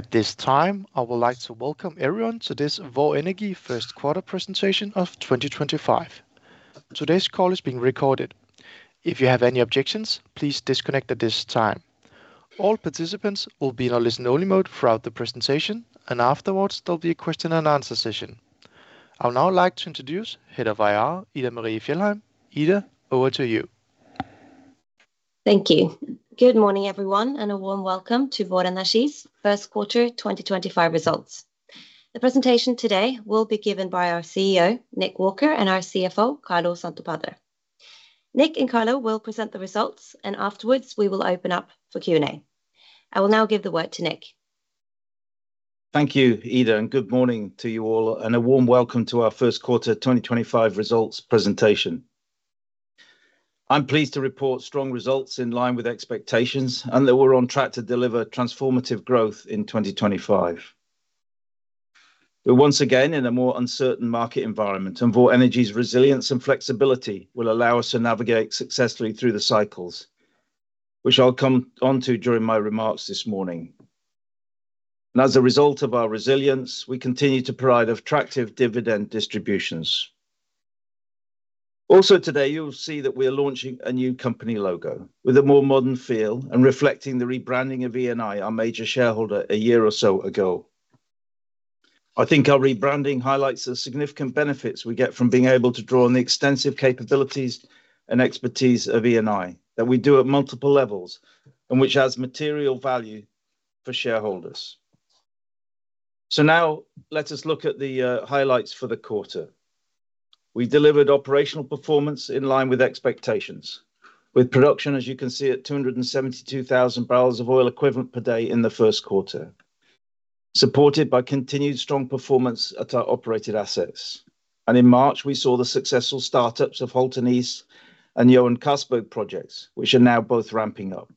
At this time I would like to welcome everyone to this Vår Energi First Quarter Presentation of 2025. Today's call is being recorded. If you have any objections, please disconnect at this time. All participants will be in a listen only mode throughout the presentation and afterwards there will be a question and answer session. I would now like to introduce Ida Marie Fjellheim, Ida, over to you. Thank you. Good morning everyone and a warm welcome to Vår Energi's first quarter 2025 results. The presentation today will be given by our CEO Nick Walker and our CFO Carlo SantoPadre. Nick and Carlo will present the results. Afterwards we will open up for questions. Q and A. I will now give. The word to Nick. Thank you Ida and good morning to you all and a warm welcome to our first quarter 2025 results presentation. I'm pleased to report strong results in line with expectations and that we're on track to deliver transformative growth in 2025. We're once again in a more uncertain market environment and Vår Energi's resilience and flexibility will allow us to navigate successfully through the cycles, which I'll come onto during my remarks this morning. As a result of our resilience, we continue to provide attractive dividend distributions. Also today you'll see that we are launching a new company logo with a more modern feel and reflecting the rebranding of Eni, our major shareholder a year or so ago. I think our rebranding highlights the significant benefits we get from being able to draw on the extensive capabilities and expertise of Eni that we do at multiple levels and which adds material value for shareholders. Now let us look at the highlights for the quarter. We delivered operational performance in line with expectations with production, as you can see, at 272,000 barrels of oil equivalent per day in the first quarter, supported by continued strong performance at our operated assets. In March we saw the successful startups of Halten East and Johan Castberg projects which are now both ramping up.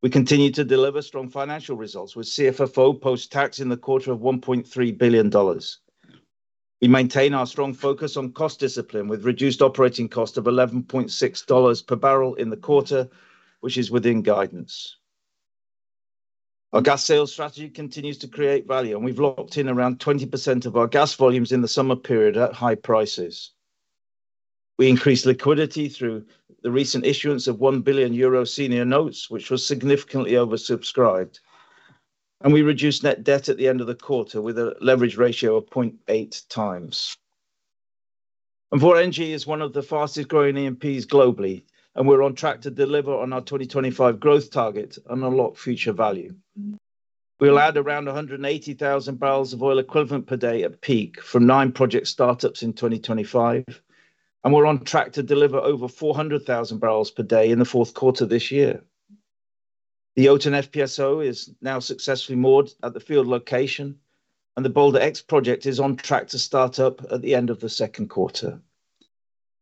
We continue to deliver strong financial results with CFFO post tax in the quarter of $1.3 billion. We maintain our strong focus on cost discipline with reduced operating cost of $11.60 per barrel in the quarter, which is within guidance. Our gas sales strategy continues to create value and we've locked in around 20% of our gas volumes in the summer period at high prices. We increased liquidity through the recent issuance of 1 billion euro senior notes which was significantly oversubscribed. We reduced net debt at the end of the quarter, with a leverage ratio of 0.8 times. Vår Energi is one of the fastest growing E&Ps globally and we're on track to deliver on our 2025 growth target and unlock future value. We'll add around 180,000 barrels of oil equivalent per day at peak from nine project startups in 2025. We're on track to deliver over 400,000 barrels per day in the fourth quarter this year. The Balder FPSO is now successfully moored at the field location and the Balder X project is on track to start up at the end of the second quarter.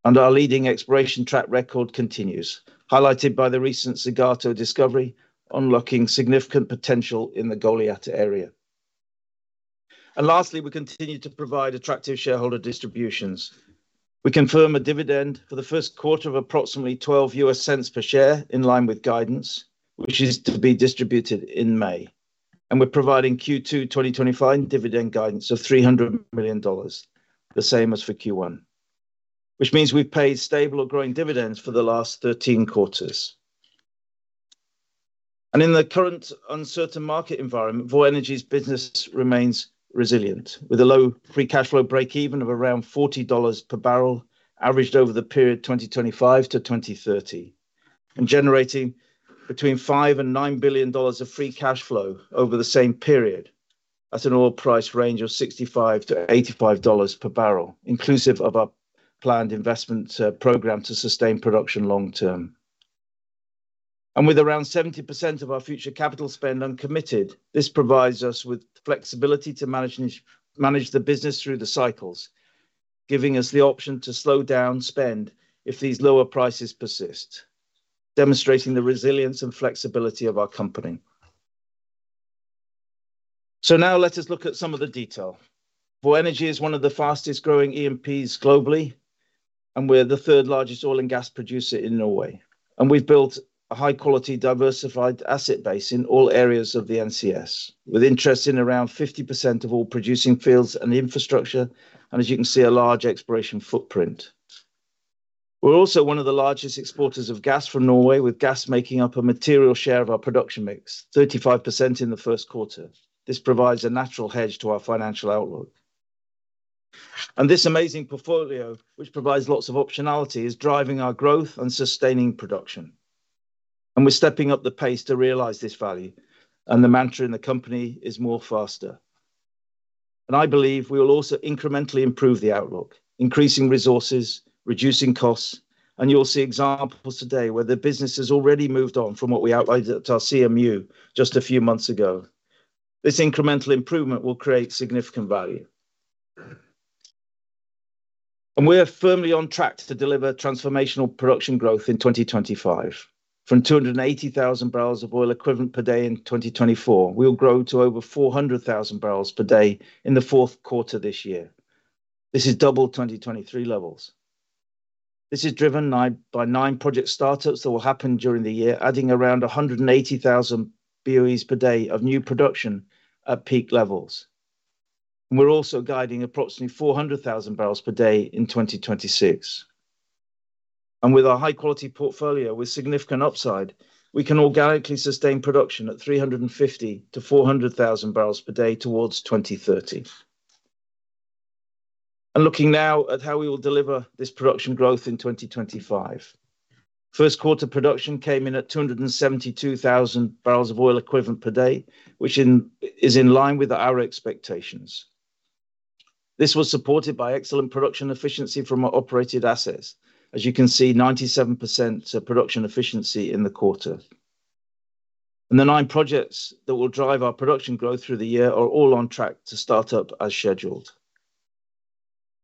Our leading exploration track record continues, highlighted by the recent Zagato discovery unlocking significant potential in the Goliat area. Lastly, we continue to provide attractive shareholder distributions. We confirm a dividend for the first quarter of approximately $0.12 per share in line with guidance, which is to be distributed in May. We are providing Q2 2025 dividend guidance of $300 million, the same as for Q1, which means we have paid stable or growing dividends for the last 13 quarters. In the current uncertain market environment, Vår Energi's business remains resilient with a low free cash flow break even of around $40 per barrel averaged over the period 2025 to 2030 and generating between $5 billion and $9 billion of free cash flow over the same period at an oil price range of $65-$85 per barrel, inclusive of our planned investment program to sustain production long term and with around 70% of our future capital spend uncommitted. This provides us with flexibility to manage the business through the cycles, giving us the option to slow down spend if these lower prices persist, demonstrating the resilience and flexibility of our company. Now let us look at some of the detail. Vår Energi is one of the fastest growing E&Ps globally and we're the third largest oil and gas producer in Norway. We have built a high quality, diversified asset base in all areas of the NCS, with interest in around 50% of all producing fields and infrastructure and as you can see, a large exploration footprint. We are also one of the largest exporters of gas from Norway, with gas making up a material share of our production mix, 35% in the first quarter. This provides a natural hedge to our financial outlook and this amazing portfolio, which provides lots of optionality, is driving our growth and sustaining production and we are stepping up the pace to realize this value. The mantra in the company is more faster and I believe we will also incrementally improve the outlook, increasing resources, reducing costs and you will see examples today where the business has already moved on from what we outlined at our CMU just a few months ago. This incremental improvement will create significant value and we are firmly on track to deliver transformational production growth in 2025. From 280,000 barrels of oil equivalent per day in 2024 we will grow to over 400,000 barrels per day in the fourth quarter this year. This is double 2023 levels. This is driven by nine project startups that will happen during the year, adding around 180,000 barrels BOE per day of new production at peak levels. We're also guiding approximately 400,000 barrels per day in 2026 and with our high quality portfolio with significant upside, we can organically sustain production at 350,000-400,000 barrels per day towards 2030. Looking now at how we will deliver this production growth in 2025, first quarter production came in at 272,000 barrels of oil equivalent per day which is in line with our expectations. This was supported by excellent production efficiency from our operated assets. As you can see, 97% production efficiency in the quarter and the nine projects that will drive our production growth through the year are all on track to start up as scheduled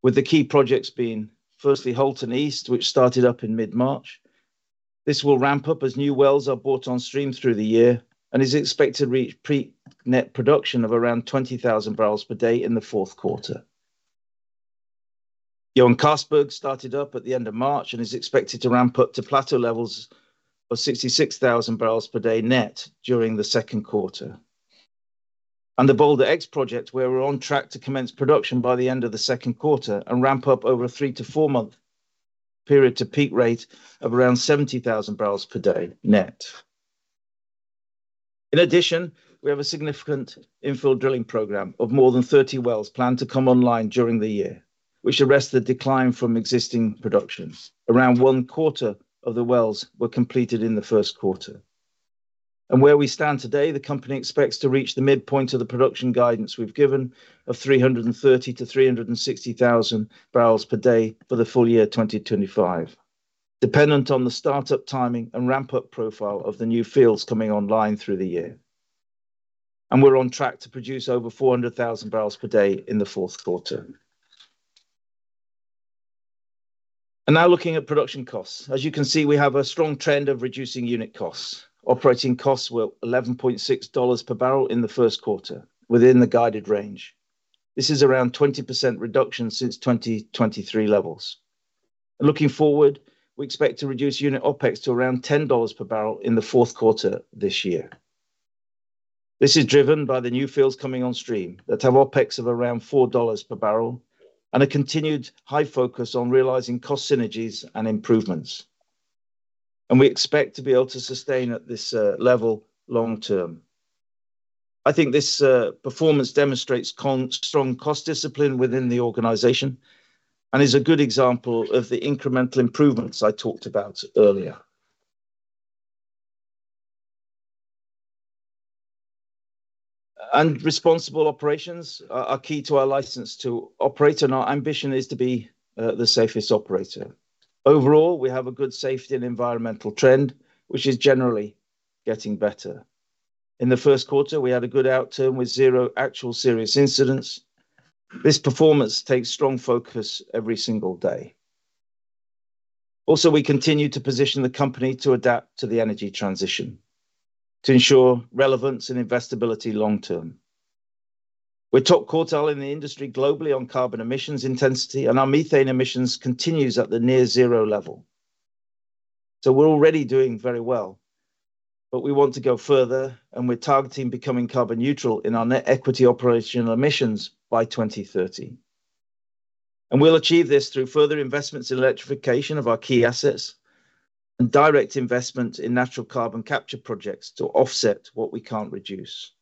with the key projects being firstly Halten East which started up in mid March. This will ramp up as new wells are brought on stream through the year and is expected to reach pre net production of around 20,000 barrels per day in the fourth quarter. Johan Castberg started up at the end of March and is expected to ramp up to plateau levels of 66,000 barrels per day net during the second quarter, and the Balder X project where we're on track to commence production by the end of the second quarter and ramp up over a three to four month period to a peak rate of around 70,000 barrels per day net. In addition, we have a significant infill drilling program of more than 30 wells planned to come online during the year, which arrests the decline from existing production. Around one quarter of the wells were completed in the first quarter, and where we stand today, the company expects to reach the midpoint of the production guidance we've given of 330,000-360,000 barrels per day for the full year 2025. Dependent on the startup timing and ramp up profile of the new fields coming online through the year and we're on track to produce over 400,000 barrels per day in the fourth quarter. Now looking at production costs. As you can see, we have a strong trend of reducing unit costs. Operating costs were $11.60 per barrel in the first quarter within the guided range. This is around 20% reduction since 2023 levels. Looking forward, we expect to reduce unit OPEX to around $10 per barrel in the fourth quarter this year. This is driven by the new fields coming on stream that have OPEX of around $4 per barrel and a continued high focus on realizing cost synergies and improvements and we expect to be able to sustain at this level long term. I think this performance demonstrates strong cost discipline within the organization and is a good example of the incremental improvements I talked about earlier. Responsible operations are key to our license to operate and our ambition is to be the safest operator. Overall we have a good safety and environmental trend which is generally getting better. In the first quarter we had a good out turn with zero actual serious incidents. This performance takes strong focus every single day. Also we continue to position the company to adapt to the energy transition to ensure relevance and investability long term. We're top quartile in the industry globally on carbon emissions intensity and our methane emissions continues at the near zero level. We're already doing very well. We want to go further and we're targeting becoming carbon neutral in our net equity operational emissions by 2030 and we'll achieve this through further investments in electrification of our key assets and direct investment in natural carbon capture projects to offset what we can't reduce.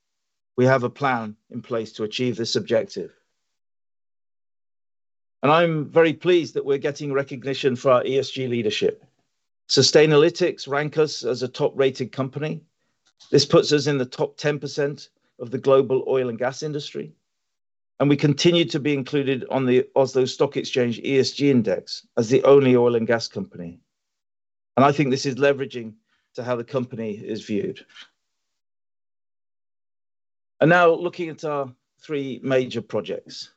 We have a plan in place to achieve this objective and I'm very pleased that we're getting recognition for our ESG leadership. Sustainalytics rank us as a top rated company. This puts us in the top 10% of the global oil and gas industry and we continue to be included on the Oslo Stock Exchange ESG index as the only oil and gas company. I think this is leveraging to how the company is viewed. Now looking at our three major projects.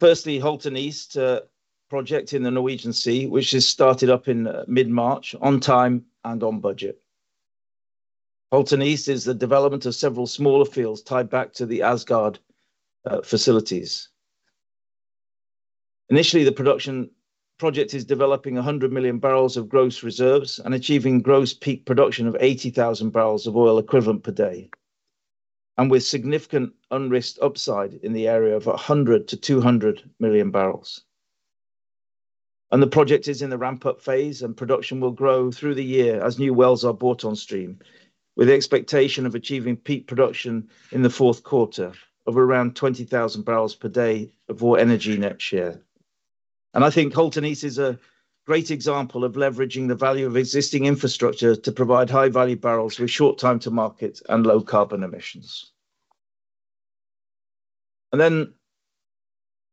Firstly, Halten East project in the Norwegian Sea which is started up in mid March on time and on budget. Halten East is the development of several smaller fields tied back to the Åsgard facilities. Initially the production project is developing 100 million barrels of gross reserves and achieving gross peak production of 80,000 barrels of oil equivalent per day and with significant unrisked upside in the area of 100-200 million barrels. The project is in the ramp up phase and production will grow through the year as new wells are brought on stream with the expectation of achieving peak production in the fourth quarter of around 20,000 barrels per day of Vår Energi next year. I think Halten East is a great example of leveraging the value of existing infrastructure to provide high value barrels with short time to market and low carbon emissions.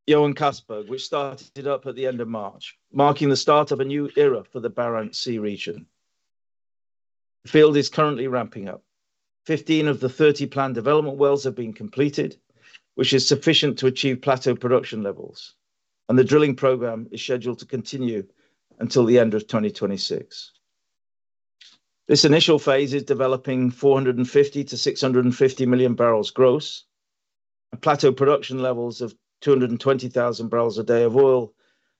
Johan Castberg, which started up at the end of March, marked the start of a new era for the Barents Sea region. The field is currently ramping up. Fifteen of the 30 planned development wells have been completed, which is sufficient to achieve plateau production levels, and the drilling program is scheduled to continue until the end of 2026. This initial phase is developing 450-650 million barrels gross. Plateau production levels of 220,000 barrels a day of oil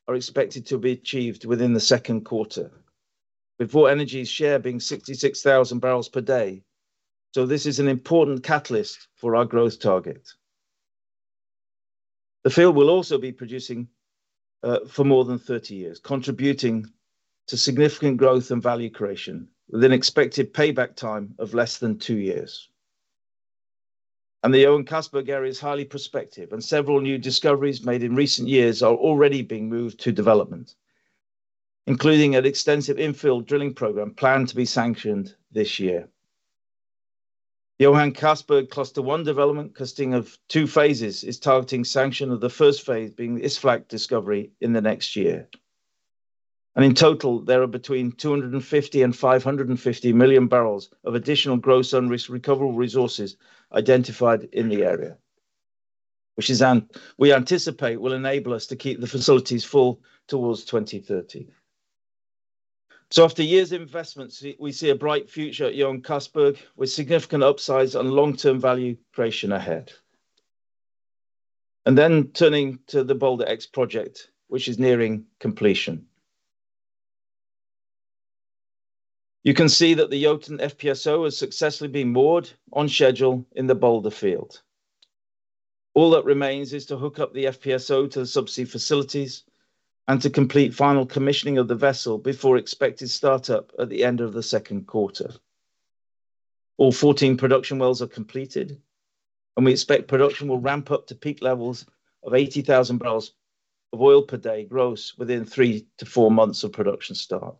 are expected to be achieved within the second quarter, with Vår Energi's share being 66,000 barrels per day. This is an important catalyst for our growth target. The field will also be producing for more than 30 years, contributing to significant growth and value creation with an expected payback time of less than two years. The Johan Castberg area is highly prospective and several new discoveries made in recent years are already being moved to development, including an extensive infill drilling program planned to be sanctioned this year. Johan Castberg Cluster one development consisting of two phases is targeting sanction of the first phase being the Isfjell discovery in the next year and in total there are between 250-550 million barrels of additional gross unrest recoverable resources identified in the area, which we anticipate will enable us to keep the facilities full towards 2030. After years of investments we see a bright future at Johan Castberg with significant upsides and long-term value creation ahead. Turning to the Balder X project which is nearing completion, you can see that the Jotun FPSO has successfully been moored on schedule in the Balder field. All that remains is to hook up the FPSO to the subsea facilities and to complete final commissioning of the vessel before expected startup. At the end of the second quarter all 14 production wells are completed and we expect production will ramp up to peak levels of 80,000 barrels of oil per day gross within three to four months of production start.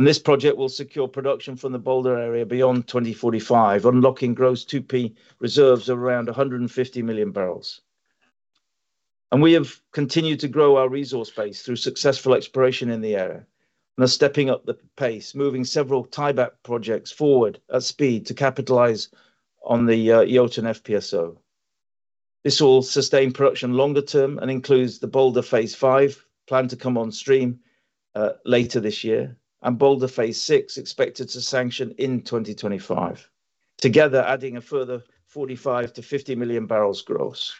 This project will secure production from the Balder area beyond 2045, unlocking gross 2P reserves around 150 million barrels. We have continued to grow our resource base through successful exploration in the area and are stepping up the pace, moving several tieback projects forward at speed to capitalize on the Jotun FPSO. This will sustain production longer term and includes the Balder phase IV planned to come on stream later this year. Balder phase VI is expected to sanction in 2025, together adding a further 45-50 million barrels gross.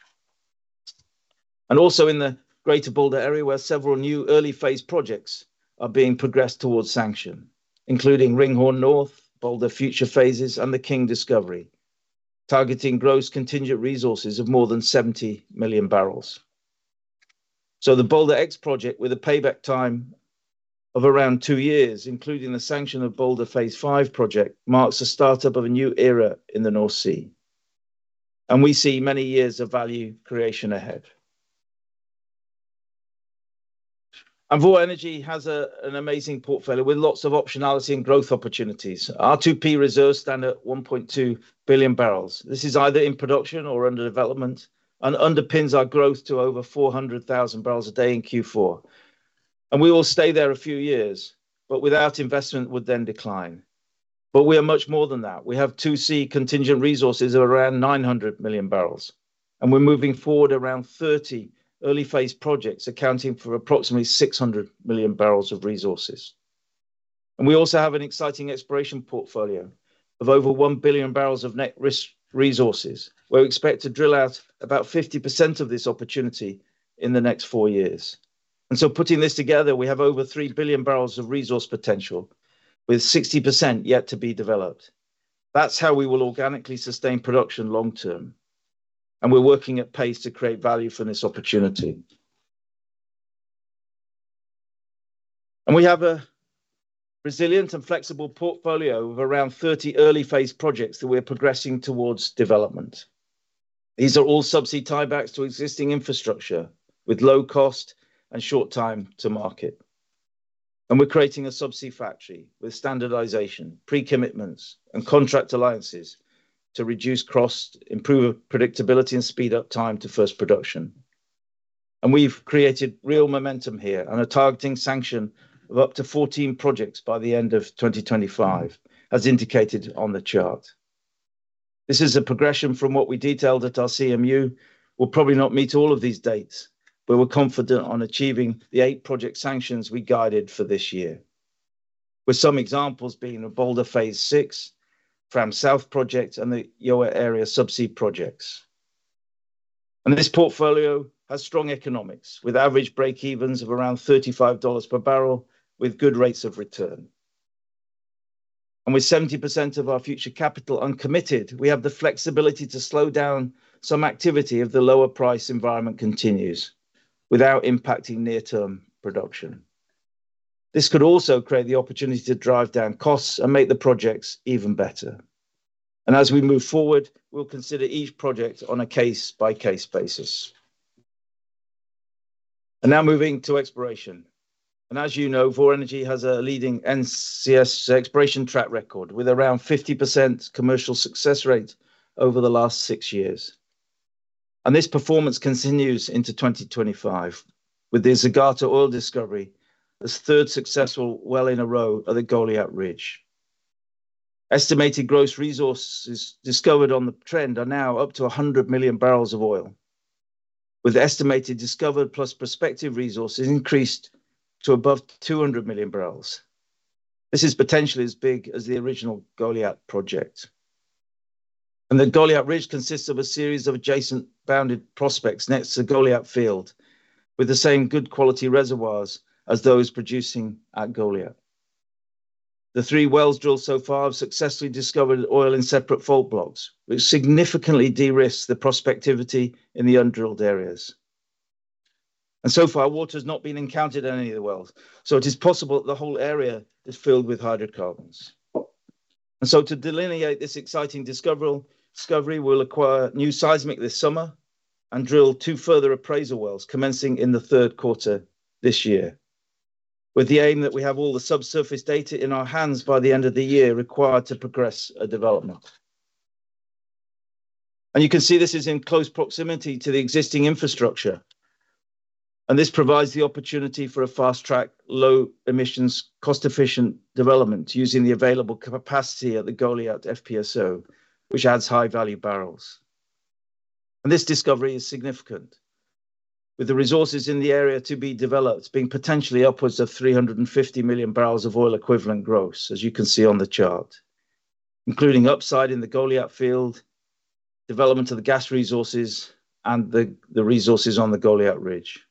Also, in the Greater Balder area, several new early phase projects are being progressed towards sanction, including Ringhorne North, Balder future phases, and the King discovery, targeting gross contingent resources of more than 70 million barrels. The Balder X project, with a payback time of around two years, including the sanction of the Balder phase V project, marks the startup of a new era in the North Sea. We see many years of value creation ahead. Vår Energi has an amazing portfolio with lots of optionality and growth opportunities. 2P reserves stand at 1.2 billion barrels. This is either in production or under development and underpins our growth to over 400,000 barrels a day in Q4. We will stay there a few years but without investment would then decline. We are much more than that. We have 2C contingent resources of around 900 million barrels and we are moving forward around 30 early phase projects accounting for approximately 600 million barrels of resources. We also have an exciting exploration portfolio of over 1 billion barrels of net risk resources where we expect to drill out about 50% of this opportunity in the next four years. Putting this together, we have over 3 billion barrels of resource potential with 60% yet to be developed. That is how we will organically sustain production long term. We are working at pace to create value from this opportunity. We have a resilient and flexible portfolio of around 30 early phase projects that we are progressing towards development. These are all subsea tiebacks to existing infrastructure with low cost and short time to market. We are creating a subsea factory with standardization, pre-commitments, and contract alliances to reduce cost, improve predictability, and speed up time to first production. We have created real momentum here and are targeting sanction of up to 14 projects by the end of 2025, as indicated on the chart. This is a progression from what we detailed at our CMU. We will probably not meet all of these dates, but we are confident on achieving the eight project sanctions we guided for this year, with some examples being the Balder phase VI, Fram South project, and the EOA area subsea projects. This portfolio has strong economics with average break evens of around $35 per barrel with good rates of return, and with 70% of our future capital uncommitted, we have the flexibility to slow down some activity if the lower price environment continues without impacting near-term production. This could also create the opportunity to drive down costs and make the projects even better. As we move forward, we will consider each project on a case-by-case basis. Now moving to exploration. As you know, Vår Energi has a leading NCS exploration track record with around 50% commercial success rate over the last six years. This performance continues into 2025 with the Zagato oil discovery as the third successful well in a row on the Goliat Ridge. Estimated gross resources discovered on the trend are now up to 100 million barrels of oil with estimated discovered plus prospective resources increased to above 200 million barrels. This is potentially as big as the original Goliat project. The Goliat Ridge consists of a series of adjacent bounded prospects next to Goliat Field with the same good quality reservoirs as those producing at Goliat. The three wells drilled so far have successfully discovered oil in separate fault blocks which significantly de-risks the prospectivity in the undrilled areas. So far water has not been encountered in any of the wells. It is possible the whole area is filled with hydrocarbons. To delineate this exciting discovery, we'll acquire new seismic this summer and drill two further appraisal wells commencing in the third quarter this year with the aim that we have all the subsurface data in our hands by the end of the year required to progress a development. You can see this is in close proximity to the existing infrastructure and this provides the opportunity for a fast track, low emissions, cost efficient development using the available capacity at the Goliat FPSO which adds high value barrels. This discovery is significant with the resources in the area to be developed being potentially upwards of 350 million barrels of oil equivalent gross as you can see on the chart, including upside in the Goliat Field, development of the gas resources and the resources on the Goliat Ridge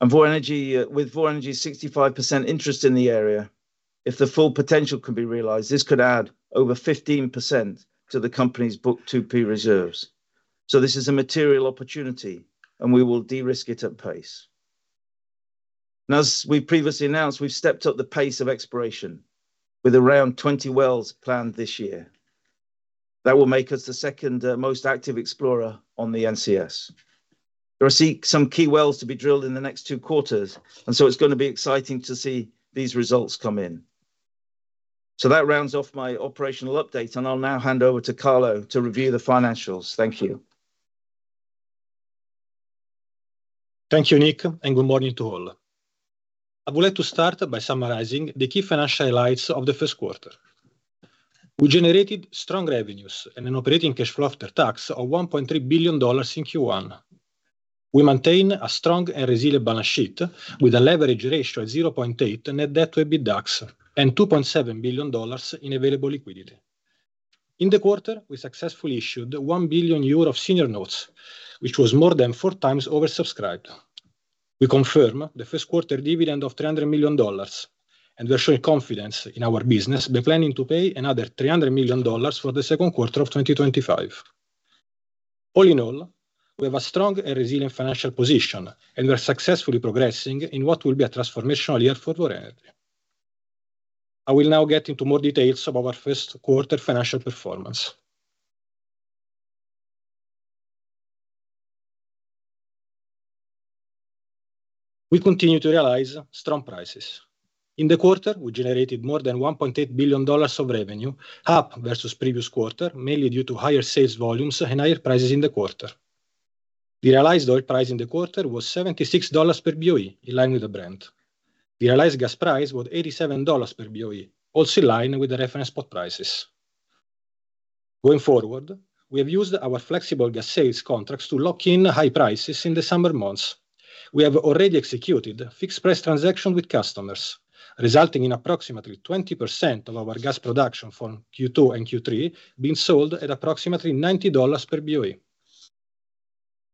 with Vår Energi's 65% interest in the area. If the full potential can be realized, this could add over 15% to the company's Book 2P reserves. This is a material opportunity and we will de-risk it at pace. As we previously announced, we've stepped up the pace of exploration with around 20 wells planned this year that will make us the second most active explorer on the NCS. There are some key wells to be drilled in the next two quarters and it is going to be exciting to see these results come in. That rounds off my operational update and I'll now hand over to Carlo to review the financials. Thank you. Thank you Nick and good morning to all. I would like to start by summarizing the key financial highlights of the first quarter. We generated strong revenues and an operating cash flow after tax of $1.3 billion in Q1. We maintained a strong and resilient balance sheet with a leverage ratio at 0.8 net debt to EBITDAX and $2.7 billion in available liquidity. In the quarter we successfully issued 1 billion euro of senior notes which was more than four times oversubscribed. We confirmed the first quarter dividend of $300 million and we are showing confidence in our business by planning to pay another $300 million for the second quarter of 2025. All in all we have a strong and resilient financial position and we are successfully progressing in what will be a transformational year for Vår Energi. I will now get into more details of our first quarter financial performance. We continue to realize strong prices in the quarter. We generated more than $1.8 billion of revenue, up versus previous quarter mainly due to higher sales volumes and higher prices in the quarter. The realized oil price in the quarter was $76 per BOE, in line with the brent. The realized gas price was $87 per BOE, also in line with the reference spot prices. Going forward, we have used our flexible gas sales contracts to lock in high prices in the summer months. We have already executed fixed price transactions with customers resulting in approximately 20% of our gas production from Q2 and Q3 being sold at approximately $90 per BOE.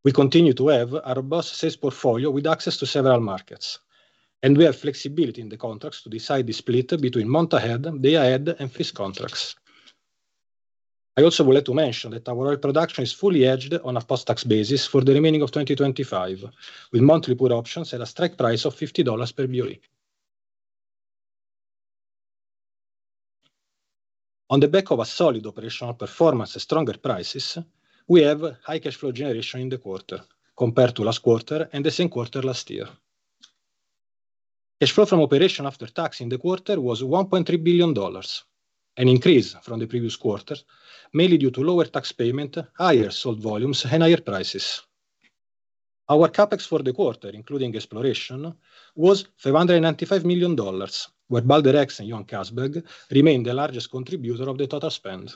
We continue to have a robust sales portfolio with access to several markets and we have flexibility in the contracts to decide the split between month ahead, day ahead and fixed contracts. I also would like to mention that our oil production is fully hedged on a post-tax basis for the remaining of 2025 with monthly put options at a strike price of $50 per barrel. On the back of a solid operational performance at stronger prices. We have high cash flow generation in the quarter compared to last quarter and the same quarter last year. Cash flow from operation after tax in the quarter was $1.3 billion, an increase from the previous quarter mainly due to lower tax payment, higher sold volumes and higher prices. Our CapEx for the quarter including exploration was $595 million while Balder X and Johan Castberg remained the largest contributor of the total spend.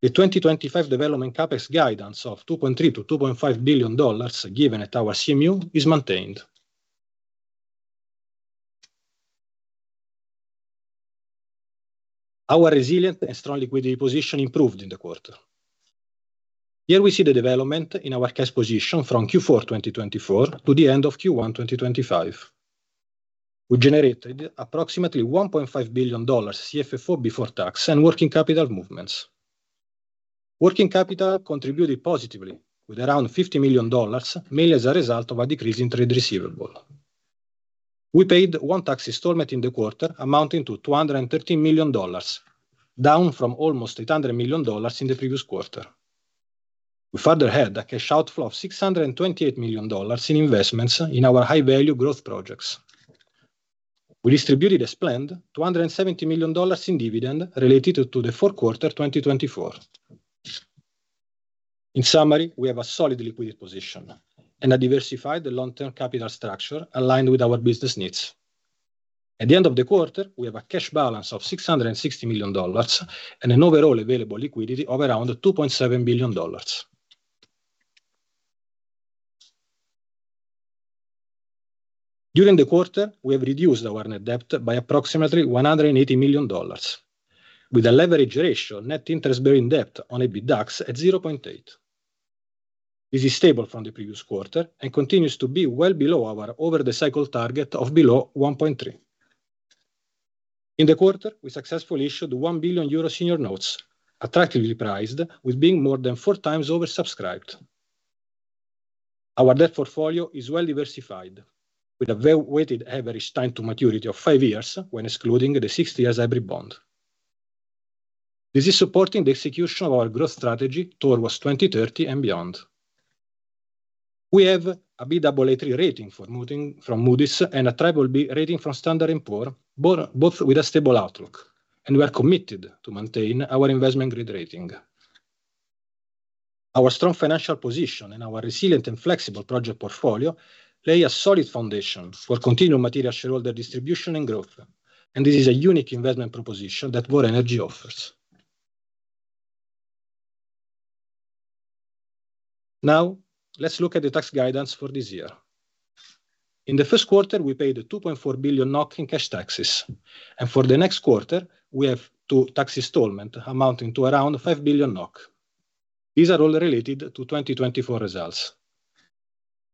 The 2025 development CapEx guidance of $2.3 billion-$2.5 billion given at our CMU is maintained. Our resilient and strong liquidity position improved in the quarter. Here we see the development in our cash position from Q4 2024 to the end of Q1 2025. We generated approximately $1.5 billion CFFO before tax and working capital movements. Working capital contributed positively with around $50 million mainly as a result of a decrease in trade receivable. We paid one tax installment in the quarter amounting to $213 million, down from almost $800 million in the previous quarter. We further had a cash outflow of $628 million in investments in our high value growth projects. We distributed as planned $270 million in dividend related to the fourth quarter 2024. In summary, we have a solid liquidity position and a diversified long term capital structure aligned with our business needs. At the end of the quarter we have a cash balance of $660 million and an overall available liquidity of around $2.7 billion. During the quarter we have reduced our net debt by approximately $180 million with a leverage ratio net interest bearing debt on EBITDAX at 0.8. This is stable from the previous quarter and continues to be well below our over the cycle target of below 1.3. In the quarter we successfully issued 1 billion euro in new notes, attractively priced with being more than four times oversubscribed. Our debt portfolio is well diversified with a weighted average time to maturity of 5 years when excluding the 60 years hybrid bond. This is supporting the execution of our growth strategy towards 2030 and beyond. We have a Baa3 rating from Moody's and a triple B rating from Standard & Poor's, both with a stable outlook and we are committed to maintain our investment grade rating. Our strong financial position and our resilient and flexible project portfolio lay a solid foundation for continued material shareholder distribution and growth and this is a unique investment proposition that Vår Energi offers. Now let's look at the tax guidance for this year. In the first quarter we paid 2.4 billion NOK in cash taxes and for the next quarter we have two tax installments amounting to around 5 billion NOK. These are all related to 2024 results.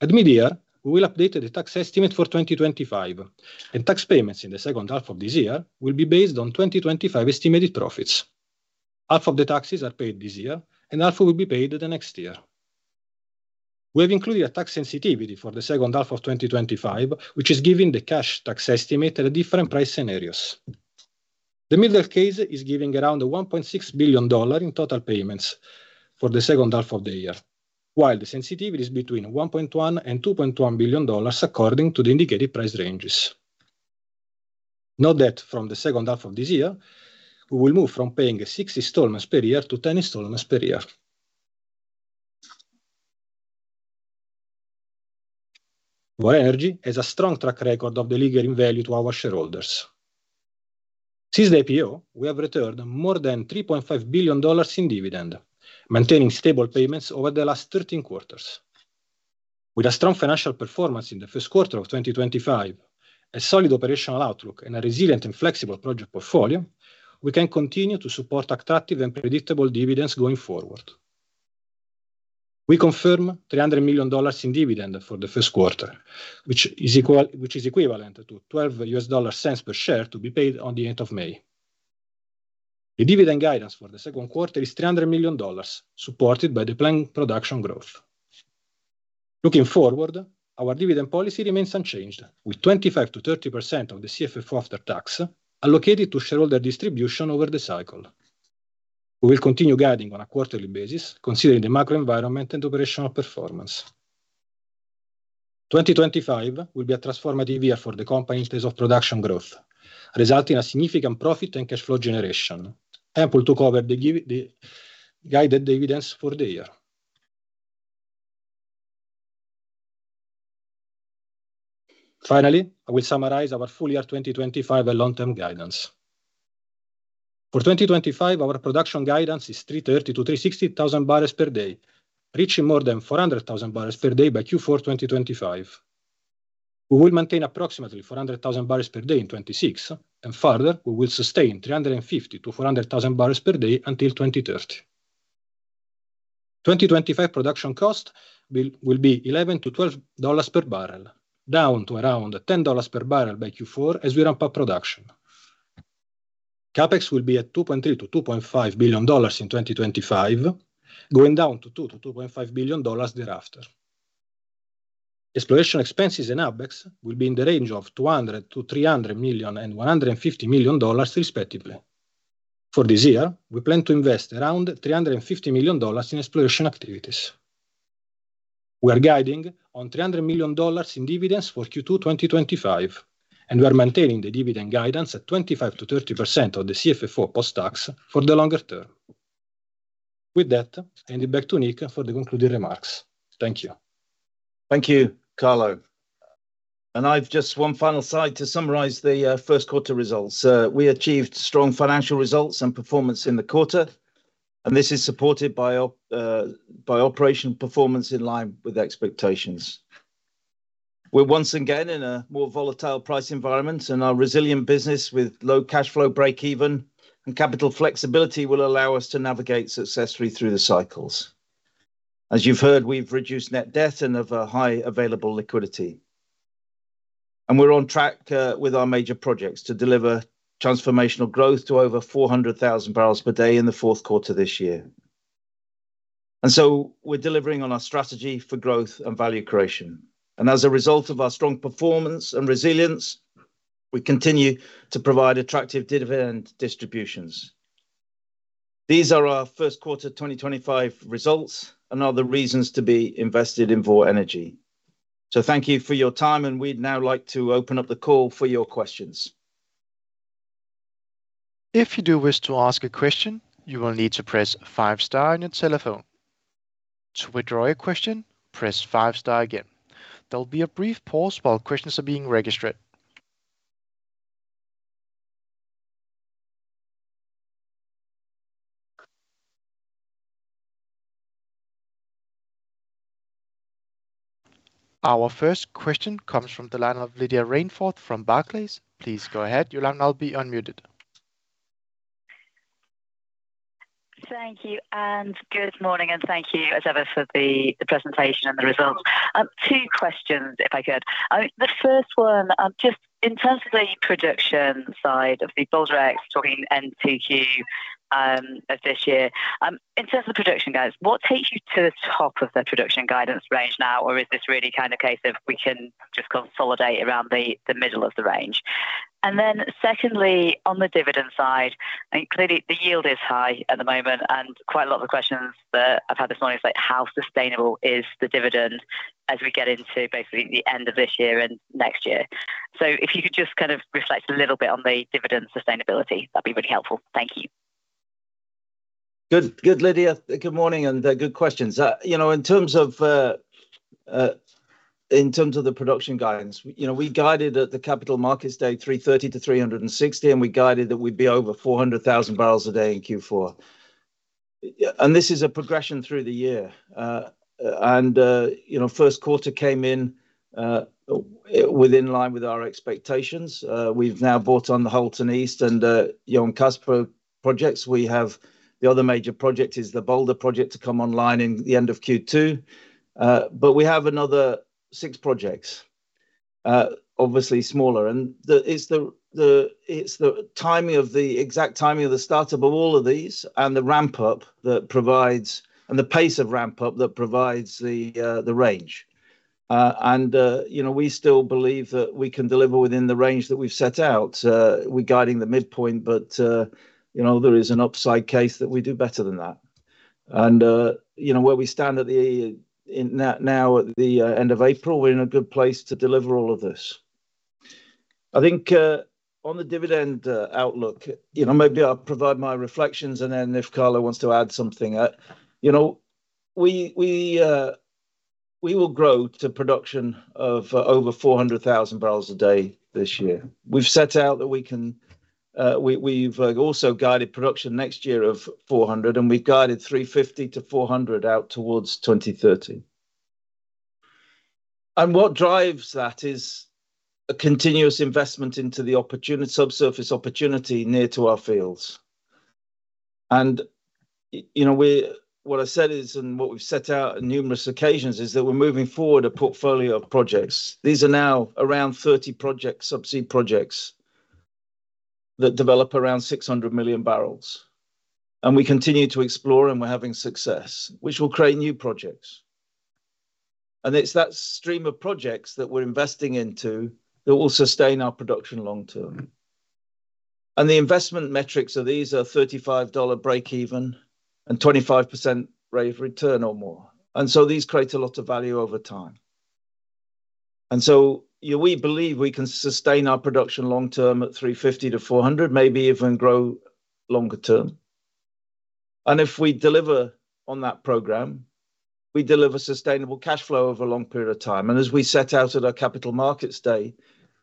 At media we will update the tax estimate for 2025 and tax payments in the second half of this year will be based on 2025 estimated profits. Half of the taxes are paid this year and half will be paid the next year. We have included a tax sensitivity for the second half of 2025 which is giving the cash tax estimate at different price scenarios. The middle case is giving around $1.6 billion in total payments for the second half of the year while the sensitivity is between $1.1 billion-$2.1 billion according to the indicated price ranges. Note that from the second half of this year we will move from paying 6 installments per year to 10 installments per year. Vår Energi has a strong track record of delivering value to our shareholders. Since the IPO we have returned more than $3.5 billion in dividend, maintaining stable payments over the last 13 quarters. With a strong financial performance in the first quarter of 2025, a solid operational outlook and a resilient and flexible project portfolio, we can continue to support attractive and predictable dividends going forward. We confirm $300 million in dividend for the first quarter which is equivalent to $0.12 per share to be paid at the end of May. The dividend guidance for the second quarter is $300 million supported by the planned production growth. Looking forward, our dividend policy remains unchanged with 25%-30% of the CFFO after tax allocated to shareholder distribution over the cycle. We will continue guiding on a quarterly basis considering the macro environment and operational performance. 2025 will be a transformative year for the company in stage of production growth, resulting in a significant profit and cash flow. Generation ample took over the guided dividends for the year. Finally, I will summarize our full year 2025 long term guidance. For 2025 our production guidance is 330,000-360,000 barrels per day, reaching more than 400,000 barrels per day by Q4 2025. We will maintain approximately 400,000 barrels per day in 2026 and further we will sustain 350,000-400,000 barrels per day until 2030. Production cost will be $11-$12 per barrel, down to around $10 per barrel by Q4. As we ramp up production, CapEx will be $2.3 billion-$2.5 billion in 2025, going down to $2 billion-$2.5 billion thereafter. Exploration expenses and OpEx will be in the range of $200 million-$300 million and $150 million respectively. For this year we plan to invest around $350 million in exploration activities. We are guiding on $300 million in dividends for Q2 2025 and we are maintaining the dividend guidance at 25-30% of the CFFO post tax for the longer term. With that, handing back to Nick for the concluding remarks. Thank you. Thank you Carlo and I have just one final slide to summarize the first quarter results. We achieved strong financial results and performance in the quarter and this is supported by operational performance in line with expectations. We are once again in a more volatile price environment and our resilient business with low cash flow breakeven and capital flexibility will allow us to navigate successfully through the cycles. As you have heard, we have reduced net debt and have high available liquidity. We are on track with our major projects to deliver transformational growth to over 400,000 barrels per day in the fourth quarter this year. We are delivering on our strategy for growth and value creation. As a result of our strong performance and resilience, we continue to provide attractive dividend distributions. These are our first quarter 2024 results and are the reasons to be invested in Vår Energi. Thank you for your time and we'd now like to open up the call for your questions. If you do wish to ask a question, you will need to press five star on your telephone. To withdraw your question, press five star again. There will be a brief pause while questions are being registered. Our first question comes from the line of Lydia Rainforth from Barclays. Please go ahead, your line will be unmuted. Thank you and good morning and thank you as ever, for the presentation and the results. Two questions, if I could. The first one, just in terms of the production side of the build during Q4 of this year, in terms of production, what takes you to the top of the production guidance range now? Or is this really kind of a case if we can just consolidate around the middle of the range? Secondly, on the dividend side, clearly the yield is high at the moment and quite a lot of the questions that I've had this morning is like, how sustainable is the dividend as we get into basically the end of this year and next year? If you could just kind of reflect a little bit on the dividend sustainability, that would be really helpful. Thank you. Good, good, Lydia, good morning and good questions. You know, in terms of, in terms of the production guidance, you know, we guided at the capital markets day 330-360 and we guided that we'd be over 400,000 barrels a day in Q4. This is a progression through the year and, you know, first quarter came in within line with our expectations. We've now brought on the Halten East and Johan Castberg projects. The other major project is the Balder project to come online at the end of Q2, but we have another six projects, obviously smaller and it's the timing, the exact timing of the startup of all of these and the ramp up that provides and the pace of ramp up that provides the range. We still believe that we can deliver within the range that we've set out regarding the midpoint. There is an upside case that we do better than that. Where we stand now at the end of April, we're in a good place to deliver all of this. I think on the dividend outlook, you know, maybe I'll provide my reflections and then if Carlo wants to add something, you know, we will grow to production of over 400,000 barrels a day this year. We've set out that we can, we've also guided production next year of 400,000 and we've guided 350,000-400,000 out towards 2030. What drives that is a continuous investment into the subsurface opportunity near to our fields. You know what I said is, and what we've set out on numerous occasions is that we're moving forward a portfolio of projects. These are now around 30 subsea projects that develop around 600 million barrels. We continue to explore and we're having success which will create new projects and it's that stream of projects that we're investing into that will sustain our production long term. The investment metrics of these are $35 breakeven and 25% rate of return or more. These create a lot of value over time. We believe we can sustain our production long term at 350-400, maybe even grow longer term. If we deliver on that program, we deliver sustainable cash flow over a long period of time. As we set out at our capital markets day,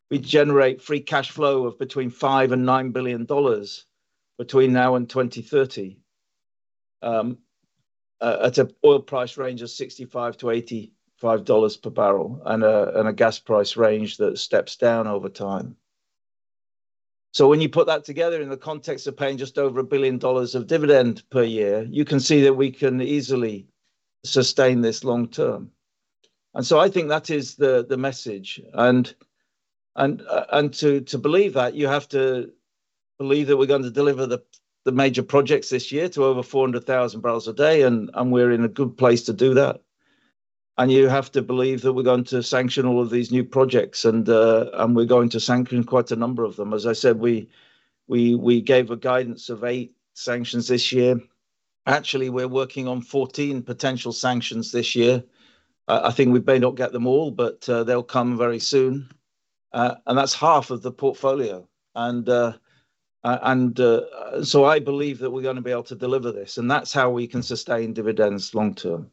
we generate free cash flow of between $5 billion and $9 billion between now and 2030 at an oil price range of $65-$85 per barrel and a gas price range that steps down over time. When you put that together in the context of paying just over $1 billion of dividend per year, you can see that we can easily sustain this long term. I think that is the message. To believe that, you have to believe that we're going to deliver the major projects this year to over 400,000 barrels a day. We're in a good place to do that. You have to believe that we're going to sanction all of these new projects and we're going to sanction quite a number of them. As I said, we gave a guidance of eight sanctions this year. Actually, we're working on 14 potential sanctions this year. I think we may not get them all, but they'll come very soon. That's half of the portfolio. I believe that we're going to be able to deliver this and that's how we can sustain dividends long term.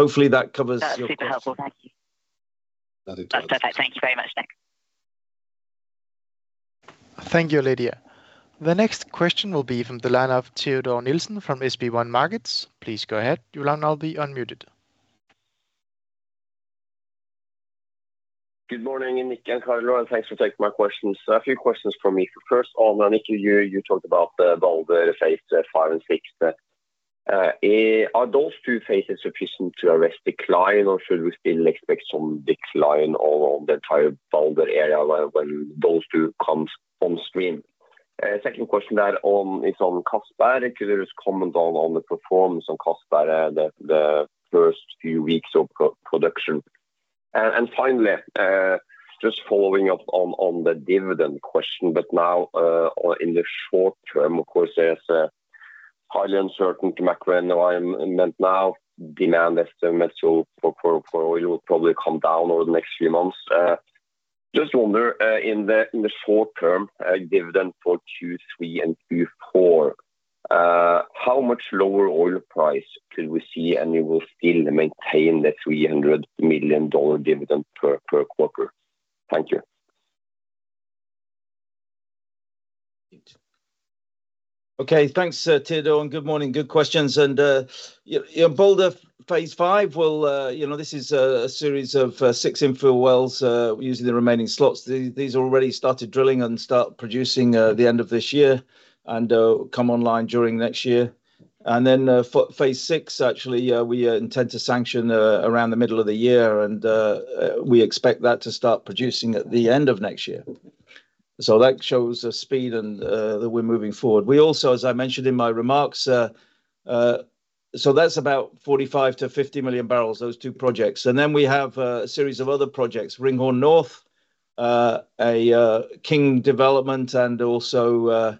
Hopefully that covers. That's super helpful. Thank you. That's perfect. Thank you very much, Nick. Thank you, Lydia. The next question will be from the line of Teodor Sveen-Nilsen from SB1 Markets. Please go ahead, your line will be unmuted. Good morning, Nick and Carlo. Thanks for taking my questions. A few questions for me. First on Nick, you talked about Balder, the phase V and VI. Are those two phases sufficient to arrest decline or should we still expect some decline along the entire Balder area when those two come on stream? Second question, that is on Castberg. Could there comment on the performance on Castberg by the first few weeks of production? Finally, just following up on the dividend question. Now in the short term, of course, there is highly uncertain macro environment now. Demand estimates for oil will probably come down over the next few months. Just wonder in the short term, dividend for Q3 and Q4, how much lower oil price could we see? Will you still maintain the $300 million dividend per quarter? Thank you. Okay, thanks Teodor and good morning. Good questions. Balder phase V, you know, this is a series of six infill wells using the remaining slots. These already started drilling and start producing the end of this year and come online during next year. Phase VI, actually we intend to sanction around the middle of the year and we expect that to start producing at the end of next year. That shows the speed and that we're moving forward. We also, as I mentioned in my remarks, that's about 45-50 million barrels, those two projects. We have a series of other projects, Ringhorn North, a King development and also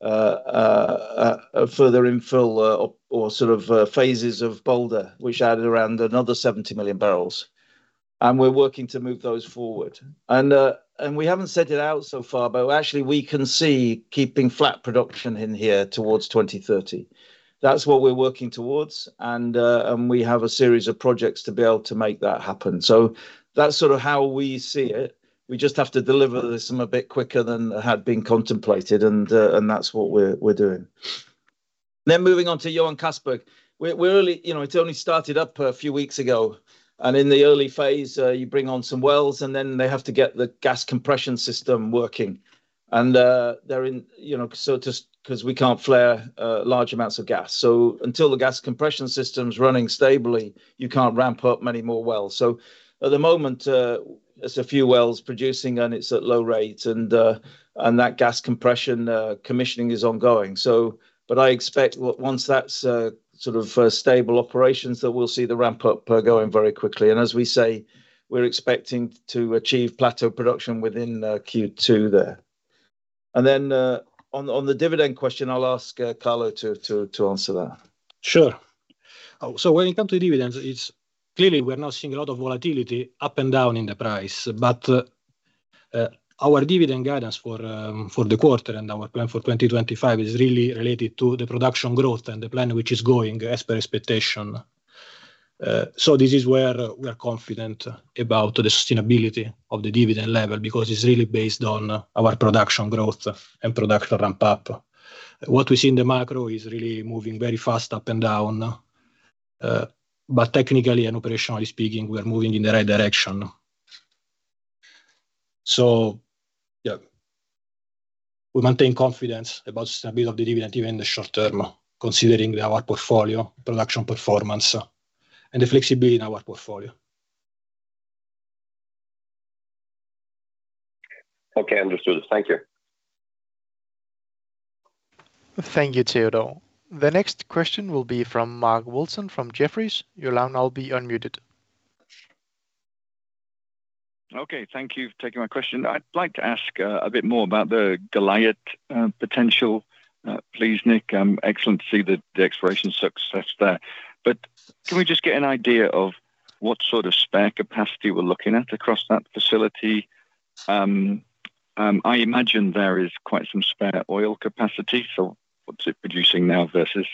further infill or sort of phases of Balder, which added around another 70 million barrels. We're working to move those forward. We have not set it out so far, but actually we can see keeping flat production in here towards 2030. That is what we are working towards. We have a series of projects to be able to make that happen. That is sort of how we see it. We just have to deliver this a bit quicker than had been contemplated. That is what we are doing. Moving on to Johan Castberg. It only started up a few weeks ago and in the early phase you bring on some wells and then they have to get the gas compression system working and they are in because we cannot flare large amounts of gas. Until the gas compression system is running stably, you cannot ramp up many more wells. At the moment there are a few wells producing and it is at low rate and that gas compression commissioning is ongoing. I expect once that's sort of stable operations, that we'll see the ramp up going very quickly. As we say, we're expecting to achieve plateau production within Q2 there. On the dividend question, I'll ask Carlo to answer that. Sure. When it comes to dividends, clearly we're now seeing a lot of volatility up and down in the price. Our dividend guidance for the quarter and our plan for 2025 is really related to the production growth and the plan which is going as per expectation. This is where we are confident about the sustainability of the dividend level because it's really based on our production growth and production ramp up. What we see in the macro is really moving very fast up and down. Technically and operationally speaking we are moving in the right direction. Yeah, we maintain confidence about sustainability of the dividend even in the short term, considering our portfolio production performance and the flexibility in our portfolio. Okay, understood. Thank you. Thank you, Teodor. The next question will be from Mark Wilson from Jefferies. You'll now be unmuted. Okay, thank you for taking my question. I'd like to ask a bit more about the Goliat potential, please, Nick. Excellent to see the exploration success there, but can we just get an idea of what sort of spare capacity we're looking at across that facility? I imagine there is quite some spare oil capacity. What is it producing now versus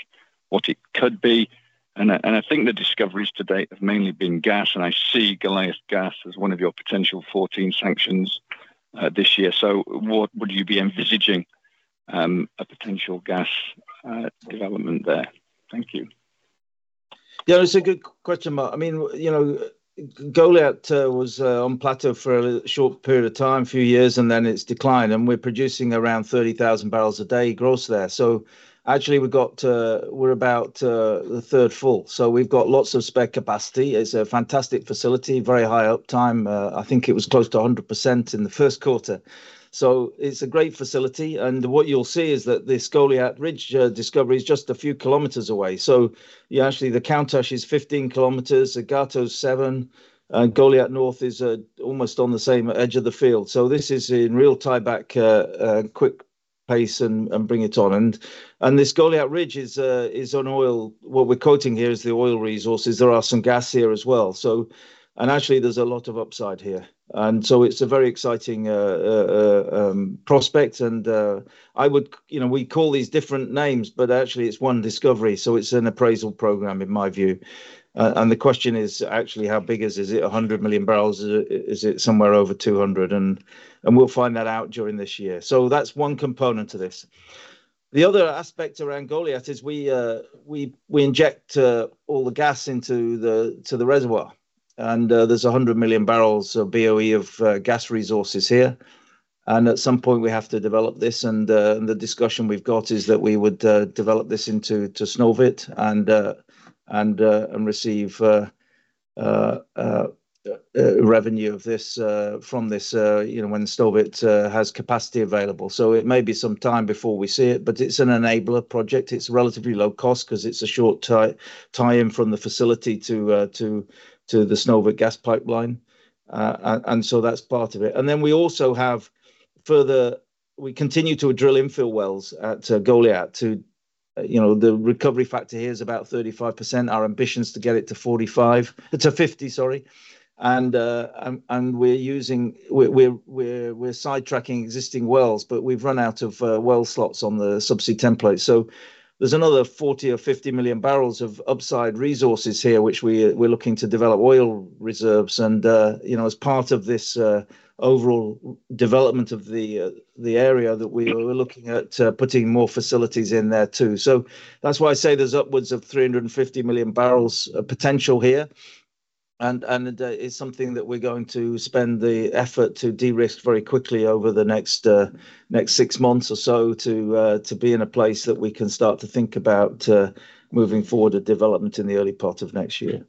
what it could be? I think the discoveries to date have mainly been gas. I see Goliat Gas as one of your potential 14 sanctions this year. What would you be envisaging, a potential gas development there? Thank you. Yeah, it's a good question, Mark. I mean, you know, Goliat was on plateau for a short period of time, few years and then its decline. And we're producing around 30,000 barrels a day gross there. Actually we've got, we're about a third full, so we've got lots of spare capacity. It's a fantastic facility, very high uptime. I think it was close to 100% in the first quarter. It's a great facility. What you'll see is that this Goliat Ridge discovery is just a few kilometers away. Actually the Countach is 15 km, Gato 7, Goliat North is almost on the same edge of the field. This is in real tieback, quick pace and bring it on. This Goliat Ridge is on oil. What we're quoting here is the oil resources. There are some gas here as well. Actually, there is a lot of upside here and it is a very exciting prospect. I would, you know, we call these different names but actually it is one discovery. It is an appraisal program in my view. The question is actually how big is it, is it 100 million barrels, is it somewhere over 200, and we will find that out during this year. That is one component to this. The other aspect around Goliat is we inject all the gas into the reservoir and there is 100 million barrels of BOE of gas resources here. At some point we have to develop this and the discussion we have is that we would develop this into Snøhvit and receive revenue from this, you know, when Snøhvit has capacity available. It may be some time before we see it, but it's an enabler project. It's relatively low cost because it's a short time from the facility to the Snøhvit gas pipeline. That's part of it. We also have further. We continue to drill infill wells at Goliat. You know, the recovery factor here is about 35%. Our ambition is to get it to 45%-50%. Sorry. We're using, we're sidetracking existing wells but we've run out of well slots on the subsea templates. There's another 40-50 million barrels of upside resources here which we're looking to develop oil reserves. You know, as part of this overall development of the area we're looking at putting more facilities in there too. That's why I say there's upwards of 350 million barrels potential here. It is something that we are going to spend the effort to de-risk very quickly over the next six months or so to be in a place that we can start to think about moving forward a development in the early part of next year.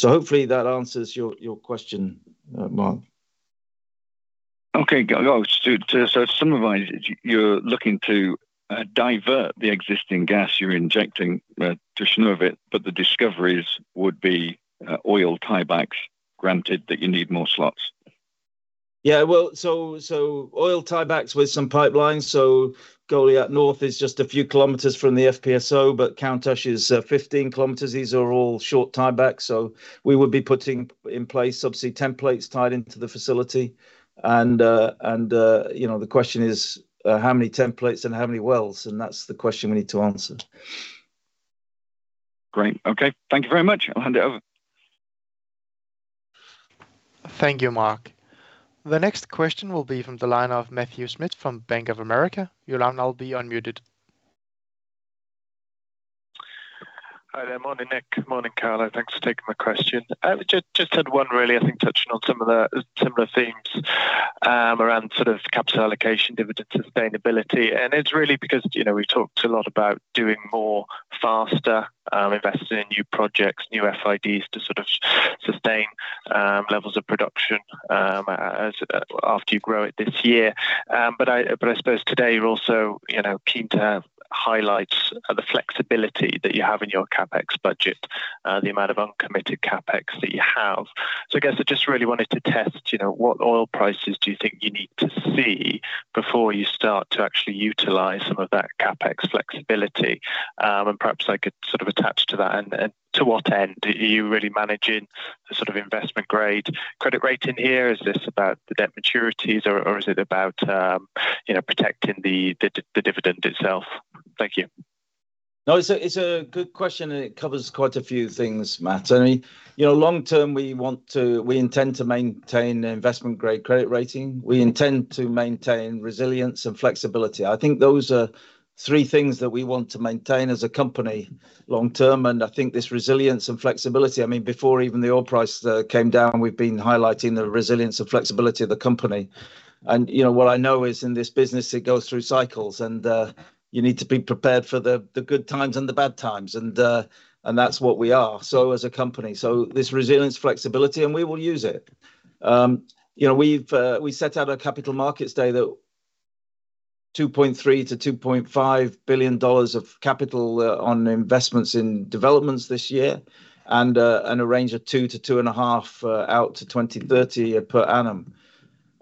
Hopefully that answers your question. Mark. Okay, to summarize, you're looking to divert the existing gas you're injecting to Snøhvit, but the discoveries would be oil tiebacks. Granted that you need more slots. Yeah, so oil tiebacks with some pipelines. Goliat North is just a few kilometers from the FPSO, but Countach is 15 kilometers. These are short tiebacks. We would be putting in place subsea templates tied into the facility. You know, the question is how many templates and how many wells? That is the question we need to answer. Great. Okay, thank you very much. I'll hand it over. Thank you, Mark. The next question will be from the line of Matthew Smith from Bank of America. You'll now be unmuted. Hi there. Morning, Nick. Morning, Carlo. Thanks for taking my question. Just had one really, I think touching on similar themes around sort of capital allocation, dividend sustainability. And it's really because, you know, we talked a lot about doing more faster investing in new projects, new FIDs to sort of sustain levels of production after you grow it this year. I suppose today you're also keen to have highlights the flexibility that you have in your CapEx budget, the amount of uncommitted CapEx that you have. I guess I just really wanted to test what oil prices do you think you need to see before you start to actually utilize some of that CapEx flexibility and perhaps I could sort of attach to that. To what end are you really managing the sort of investment grade credit rating here? Is this about the debt maturities or is it about protecting the dividend itself? Thank you. No, it's a good question and it covers quite a few things, Matt. You know, long term we want to, we intend to maintain investment grade credit rating. We intend to maintain resilience and flexibility. I think those are three things that we want to maintain as a company long term. I think this resilience and flexibility, I mean before even the oil price came down, we've been highlighting the resilience and flexibility of the company. What I know is in this business it goes through cycles and you need to be prepared for the good times and the bad times. That's what we are. As a company. This resilience, flexibility and we will use it, we set out at capital markets day, that $2.3 billion-$2.5 billion of capital on investments in developments this year and a range of $2 billion-$2.5 billion out to 2030 per annum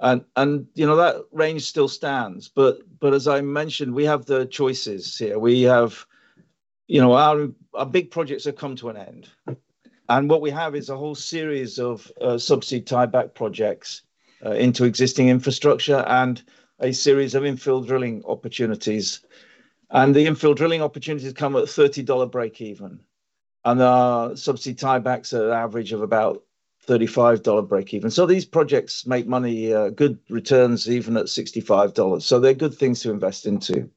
and that range still stands. As I mentioned, we have the choices here. Our big projects have come to an end and what we have is a whole series of subsea tieback projects into existing infrastructure and a series of infill drilling opportunities. The infill drilling opportunities come at $30 break even, subsea tiebacks at an average of about $35 break even. These projects make money, good returns even at $65. They are good things to invest into.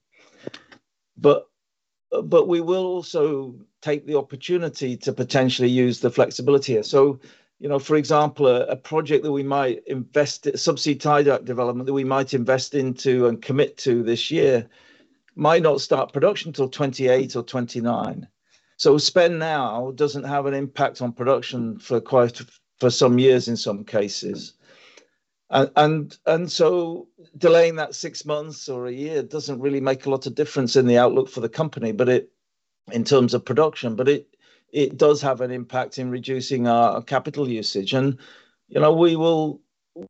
We will also take the opportunity to potentially use the flexibility here. You know, for example, a project that we might invest subsea tie that development that we might invest into and commit to this year might not start production till 2028 or 2029. Spend now does not have an impact on production for some years. In some cases, delaying that six months or a year does not really make a lot of difference in the outlook for the company in terms of production. It does have an impact in reducing our capital usage. We will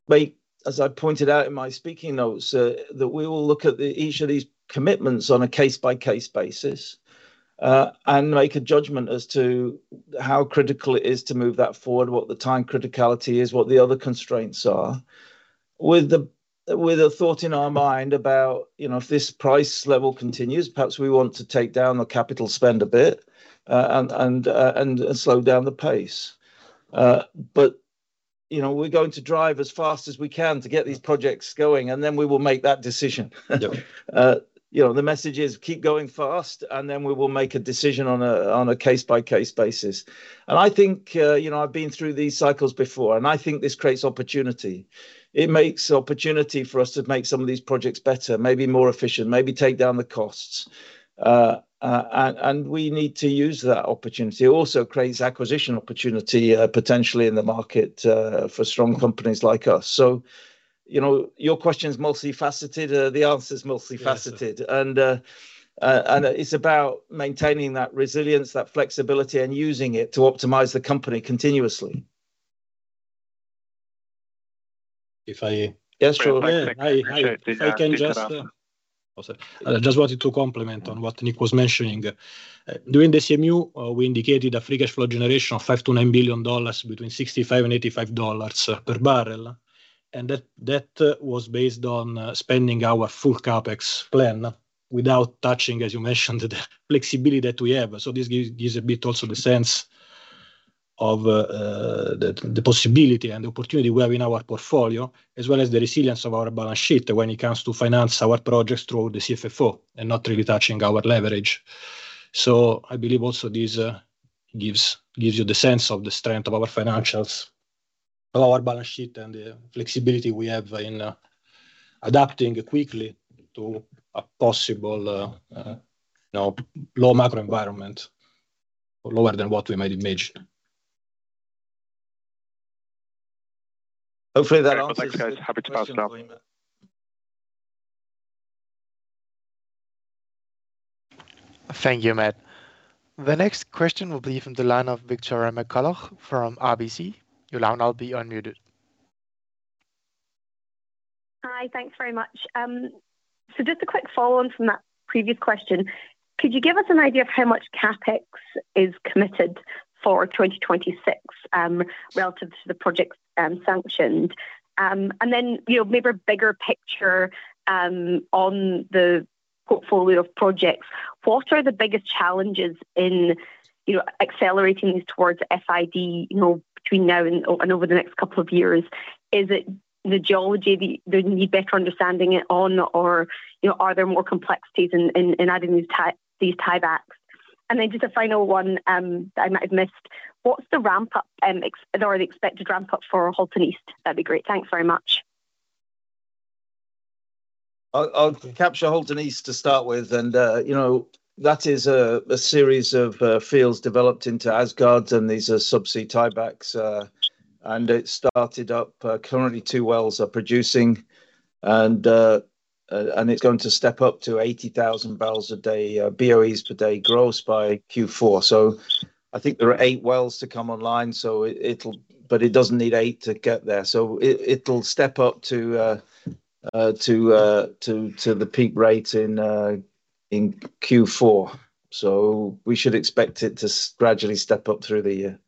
make, as I pointed out in my speaking notes, that we will look at each of these commitments on a case-by-case basis and make a judgment as to how critical it is to move that forward, what the time criticality is, what the other constraints are, with a thought in our mind about if this price level continues. Perhaps we want to take down the capital, spend a bit and slow down the pace. We are going to drive as fast as we can to get these projects going and then we will make that decision. You know, the message is keep going fast and then we will make a decision on a case by case basis. I think, you know, I have been through these cycles before and I think this creates opportunity. It makes opportunity for us to make some of these projects better, maybe more efficient, maybe take down the costs and we need to use that opportunity. It also creates acquisition opportunity potentially in the market for strong companies like us. You know, your question is multifaceted. The answer is multifaceted. It is about maintaining that resilience, that flexibility and using it to optimize the company continuously. If I Yes. I just wanted to compliment on what Nick was mentioning during the CMU. We indicated a free cash flow generation of $5 billion-$9 billion between $65 and $85 per barrel. That was based on spending our full CapEx plan without touching, as you mentioned, the flexibility that we have. This gives a bit also the sense of the possibility and opportunity we have in our portfolio as well as the resilience of our balance sheet when it comes to finance our projects through the CFFO and not really touching our leverage. I believe also this gives you the sense of the strength of our financials, balance sheet, and the flexibility we have in adapting quickly to a possible low macro environment lower than what we might imagine. Hopefully that's happy to pass it up. Thank you, Matt. The next question will be from the line of Victoria McCulloch from RBC. You are unmuted. Hi, thanks very much. Just a quick follow on from that previous question. Could you give us an idea of how much CapEx is committed for 2026 relative to the projects sanctioned and then, you know, maybe a bigger picture on the portfolio of projects. What are the biggest challenges in accelerating these towards FID between now and over the next couple of years? Is it the geology they need better understanding on or are there more complexities in adding these tiebacks? Just a final one I might have missed. What's the ramp up or the expected ramp up for Halten East? That'd be great. Thanks very much. I'll capture Halten East to start with. And you know, that is a series of fields developed into Åsgard and these are subsea tiebacks. It started up. Currently two wells are producing and it's going to step up to 80,000 barrels a day, BOEs per day gross by Q4. I think there are eight wells to come online. It does not need eight to get there. It will step up to the peak rate in Q4. We should expect it to gradually step up through the year.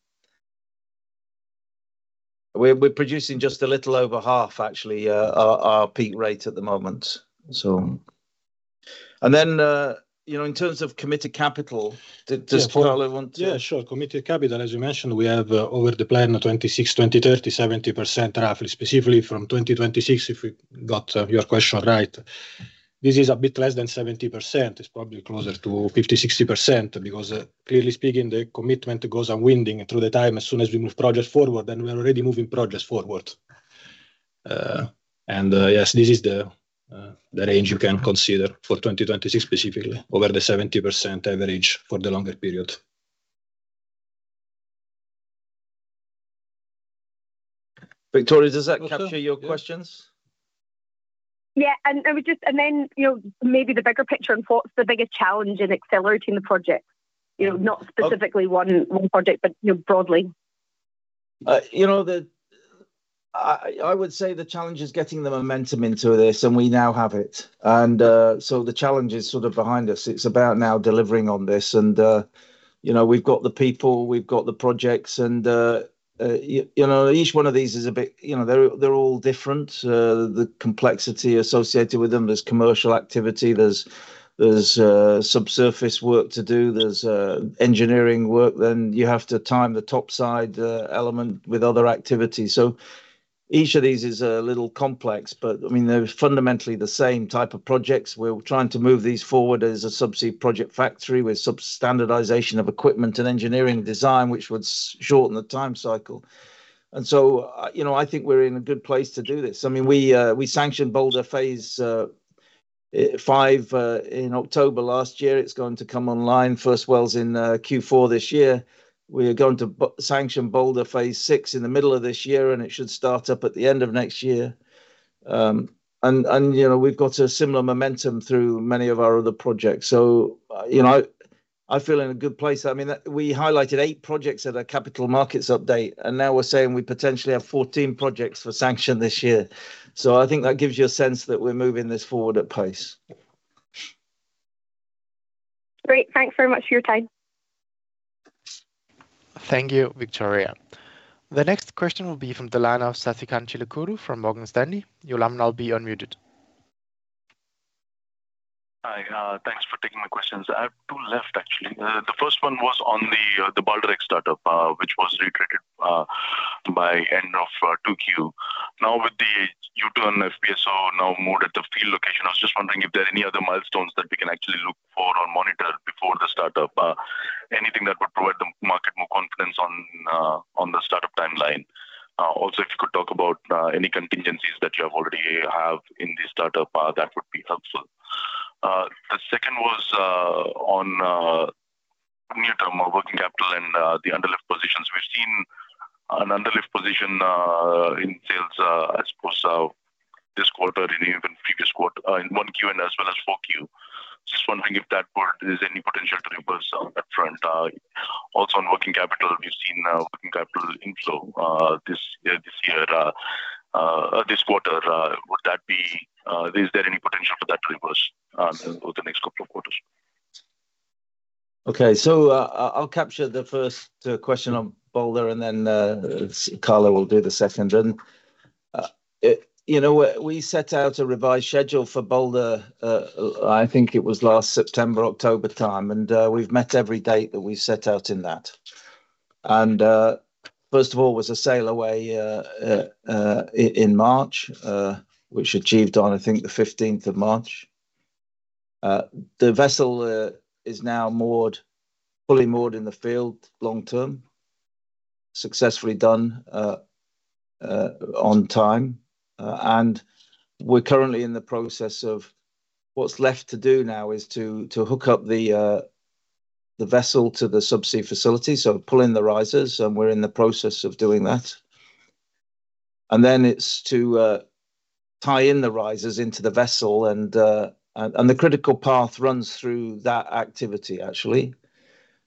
We're producing just a little over half actually our peak rate at the moment. In terms of committed capital. Yeah, sure, committed capital. As you mentioned, we have over the plan of 2026-2030, 70% roughly, specifically from 2026, if we got your question right, this is a bit less than 70%. It's probably closer to 50-60% because clearly speaking, the commitment goes unwinding through the time. As soon as we move projects forward, we are already moving projects forward. Yes, this is the range you can consider for 2026, specifically over the 70% average for the longer period. Victoria, does that capture your questions? Yeah, and it was just. You know, maybe the bigger picture. What's the biggest challenge in accelerating the project? You know, not specifically one project, but, you know, broadly. You know, I would say the challenge is getting the momentum into this and we now have it. The challenge is sort of behind us. It's about now delivering on this. You know, we've got the people, we've got the projects and you know, each one of these is a bit, you know, they're all different. The complexity associated with them. There's commercial activity, there's subsurface work to do, there's engineering work. You have to time the top side element with other activities. Each of these is a little complex, but I mean, they're fundamentally the same type of projects. We're trying to move these forward as a subsea project factory with substandardization of equipment and engineering design, which would shorten the time cycle. I think we're in a good place to do this. I mean, we sanctioned Balder Phase V in October last year. It's going to come online first wells in Q4 this year. We are going to sanction Balder Phase VI in the middle of this year and it should start up at the end of next year. We have got a similar momentum through many of our other projects. You know, I feel in a good place. I mean, we highlighted eight projects at a capital markets update and now we are saying we potentially have 14 projects for sanction this year. I think that gives you a sense that we are moving this forward at pace. Great. Thanks very much for your time. Thank you, Victoria. The next question will be from the line of Sasikanth Chilukuru from Morgan Stanley. Your line will be unmuted. Hi, thanks for taking my questions. I have two left actually. The first one was on the Balder X startup, which was reiterated by end of 2Q. Now with the U2 and FPSO now moved at the field location, I was just wondering if there are any other milestones that we can actually look for or monitor before the startup. Anything that would provide the market more confidence on the startup timeline. Also, if you could talk about any contingencies that you have already have in the startup, that would be helpful. The second was on near term working capital and the underlift positions. We've seen an underlift position in sales, I suppose this quarter and even previous quarter in 1Q and as well as 4Q. Just wondering if that is any potential to reverse up front. Also on working capital, we've seen working capital inflow this year, this quarter. Would that be, is there any potential for that to reverse over the next couple of quarters? Okay, I'll capture the first question on Balder and then Carlo will do the second. You know, we set out a revised schedule for Balder. I think it was last September, October time and we've met every date that we set out in that. First of all was a sail away in March, which achieved I think the 15th of March, the vessel is now moored, fully moored in the field, long term, successfully done on time. We're currently in the process of what's left to do now, which is to hook up the vessel to the subsea facility, so pull in the risers, and we're in the process of doing that. Then it's to tie in the risers into the vessel and the critical path runs through that activity. Actually,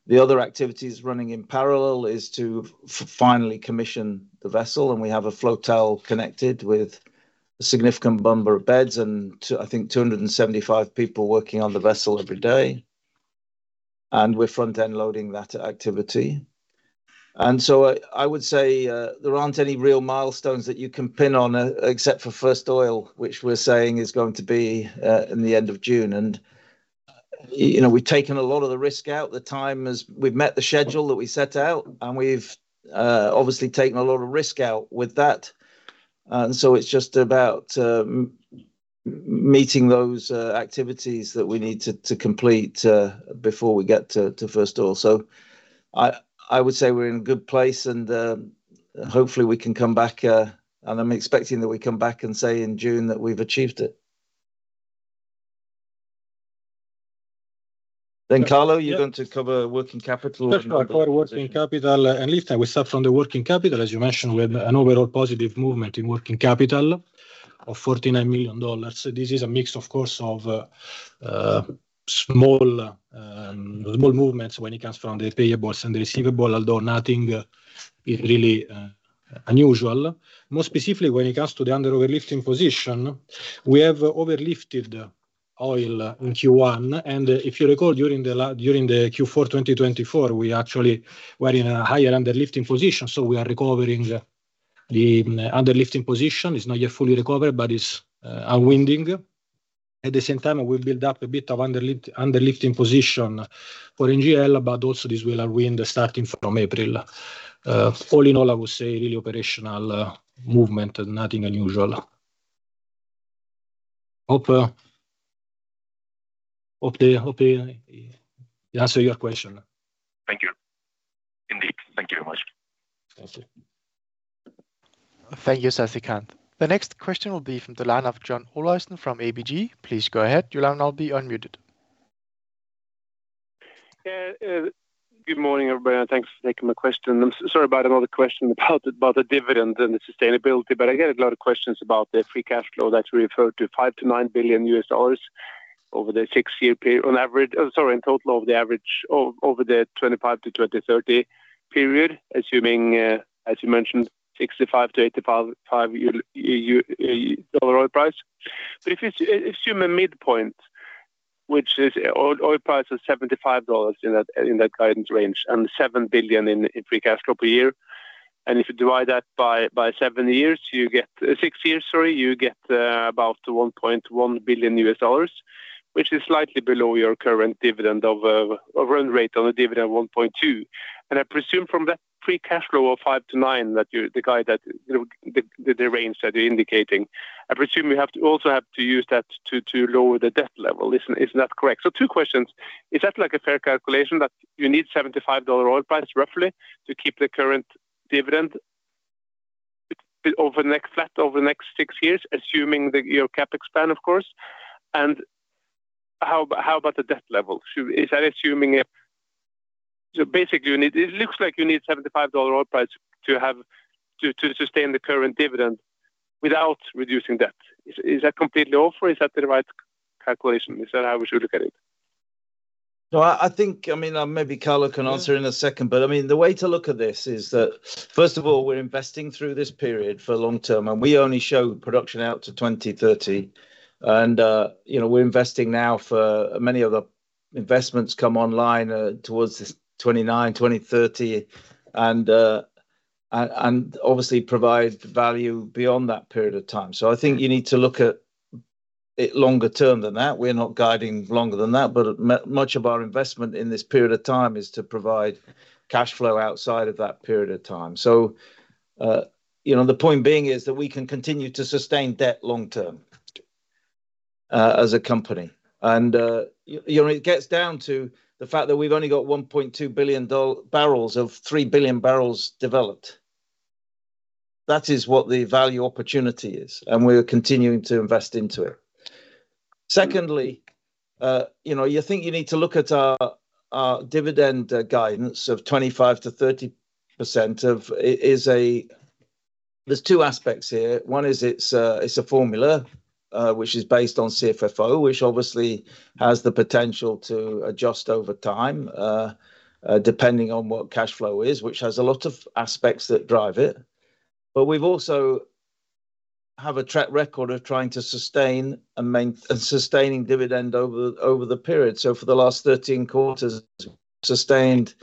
the other activities running in parallel is to finally commission the vessel. We have a flotel connected with a significant number of beds. I think 275 people working on the vessel every day. We are front end loading that activity. I would say there are not any real milestones that you can pin on except for first oil, which we are saying is going to be in the end of June. You know, we have taken a lot of the risk out the time as we have met the schedule that we set out and we have obviously taken a lot of risk out with that. It is just about meeting those activities that we need to complete before we get to first oil. I would say we are in a good place and hopefully we can come back. I am expecting that we come back and say in June that we have achieved it. Carlo, you're going to cover working capital. Working capital and lift. We start from the working capital. As you mentioned, we had an overall positive movement in working capital of $49 million. This is a mix, of course, of small, small movements when it comes from the payables and the receivable, although nothing is really unusual. More specifically, when it comes to the under overlifting position, we have over lifted oil in Q1 and if you recall, during Q4 2024, we actually were in a higher under lifting position. We are recovering the under lifting position. It's not yet fully recovered, but it's unwinding at the same time. We will build up a bit of underlifting position for NGL, but also this will wind starting from April. All in all, I would say really operational movement, nothing unusual. Hope they answer your question. Thank you. Indeed. Thank you very much. Thank you. Thank you. Sasikanth. The next question will be from the line of John Olaisen from ABG. Please go ahead. Your line will be unmuted. Good morning everybody and thanks for taking my question. I'm sorry about another question about the dividend and the sustainability. I get a lot of questions about the free cash flow that's referred to $5 billion-$9 billion over the six year period on average. Sorry. In total or the average over the 2025 to 2030 period assuming, as you mentioned, $65-$85 oil price. If you assume a midpoint, which is oil price of $75 in that guidance range and $7 billion in free cash flow per year, and if you divide that by six years, you get about $1.1 billion, which is slightly below your current dividend run rate on a dividend of $1.2 billion. I presume from that free cash flow of $5 billion-$9 billion that you're the guy that the range that you're indicating, I presume you have to also have to use that to lower the debt level, isn't that correct? Two questions. Is that like a fair calculation that you need $75 oil price roughly to keep the current dividend flat over the next six years, assuming that your CapEx span, of course. How about the debt level? Is that assuming basically it looks like you need $75 oil price to sustain the current dividend without reducing debt. Is that completely off or is that the right calculation? Is that how we should look at it? I think, I mean maybe Carlo can answer in a second, but I mean the way to look at this is that first of all we're investing through this period for long term. I want to, we only show production out to 2030 and we're investing now for many of the investments that come online towards 2029, 2030 and obviously provide value beyond that period of time. I think you need to look at it longer term than that. We're not guiding longer than that, but much of our investment in this period of time is to provide cash flow outside of that period of time. The point being is that we can continue to sustain debt long term as a company and it gets down to the fact that we've only got 1.2 billion barrels of 3 billion barrels developed. That is what the value opportunity is and we are continuing to invest into it. Secondly, you think you need to look at our dividend guidance of 25%-30% of CFFO. There's two aspects here. One is it's a formula which is based on CFFO which obviously has the potential to adjust over time depending on what cash flow is, which has a lot of aspects that drive it. We also have a track record of trying to sustain and maintain sustaining dividend over the period. For the last 13 quarters, sustained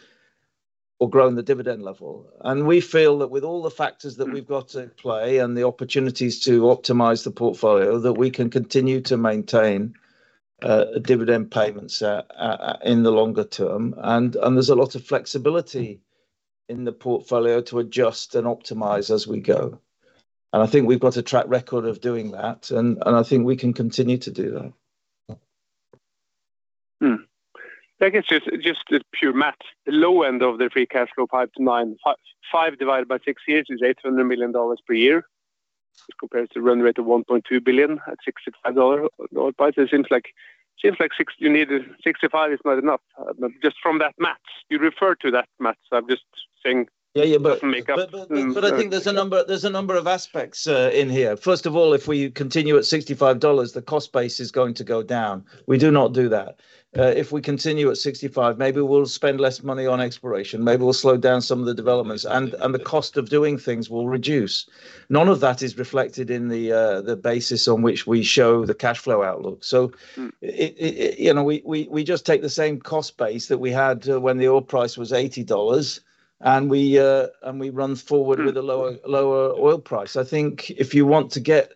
or grown the dividend level. We feel that with all the factors that we've got to play and the opportunities to optimize the portfolio that we can continue to maintain dividend payments in the longer term. There is a lot of flexibility in the portfolio to adjust and optimize as we go. I think we have a track record of doing that and I think we can continue to do that. I guess just pure math, the low end of the free cash flow, 5 to 95 divided by 6 years is $800 million per year as compared to run rate of $1.2 billion at $65, it seems like, seems like you need $65 is not enough just from that math. You refer to that math. So I'm just saying. Yeah, yeah. I think there's a number of aspects in here. First of all, if we continue at $65, the cost base is going to go down. We do not do that. If we continue at $65, maybe we'll spend less money on exploration, maybe we'll slow down some of the developments and the cost of doing things will reduce. None of that is reflected in the basis on which we show the cash flow outlook. We just take the same cost base that we had when the oil price was $80 and we run forward with a lower oil price. I think if you want to get,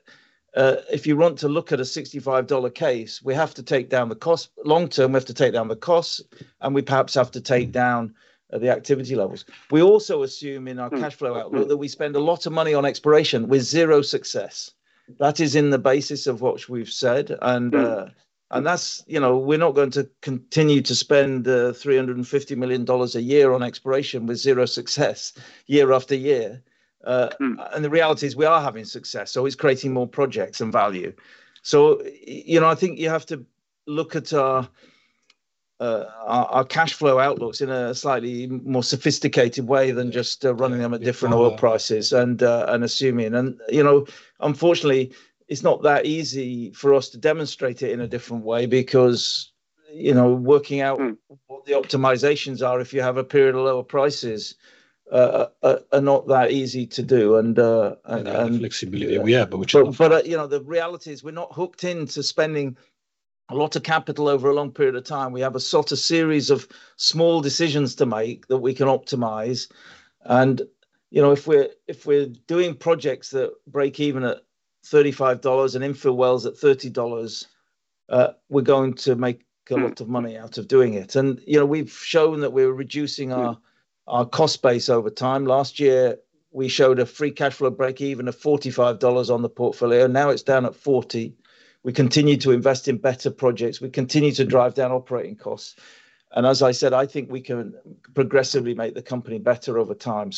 if you want to look at a $65 case, we have to take down the cost long term. We have to take down the costs and we perhaps have to take down the activity levels. We also assume in our cash flow outlook that we spend a lot of money on exploration with zero success. That is in the basis of what we've said. We're not going to continue to spend $350 million a year on exploration with zero success year after year. The reality is we are having success, so it's creating more projects and value. I think you have to look at our cash flow outlooks in a slightly more sophisticated way than just running them at different oil prices and assuming, and unfortunately it's not that easy for us to demonstrate it in a different way because working out what the optimizations are, if you have a period of lower prices, are not that easy to do and flexibility. The reality is we're not hooked into spending a lot of capital over a long period of time. We have a sort of series of small decisions to make that we can optimize and if we're doing projects that break even at $35 and infill wells at $30, we're going to make a lot of money out of doing it. We've shown that we're reducing our cost base over time. Last year we showed a free cash flow break even of $45 on the portfolio. Now it's down at $40. We continue to invest in better projects, we continue to drive down operating costs and as I said, I think we can progressively make the company better over time.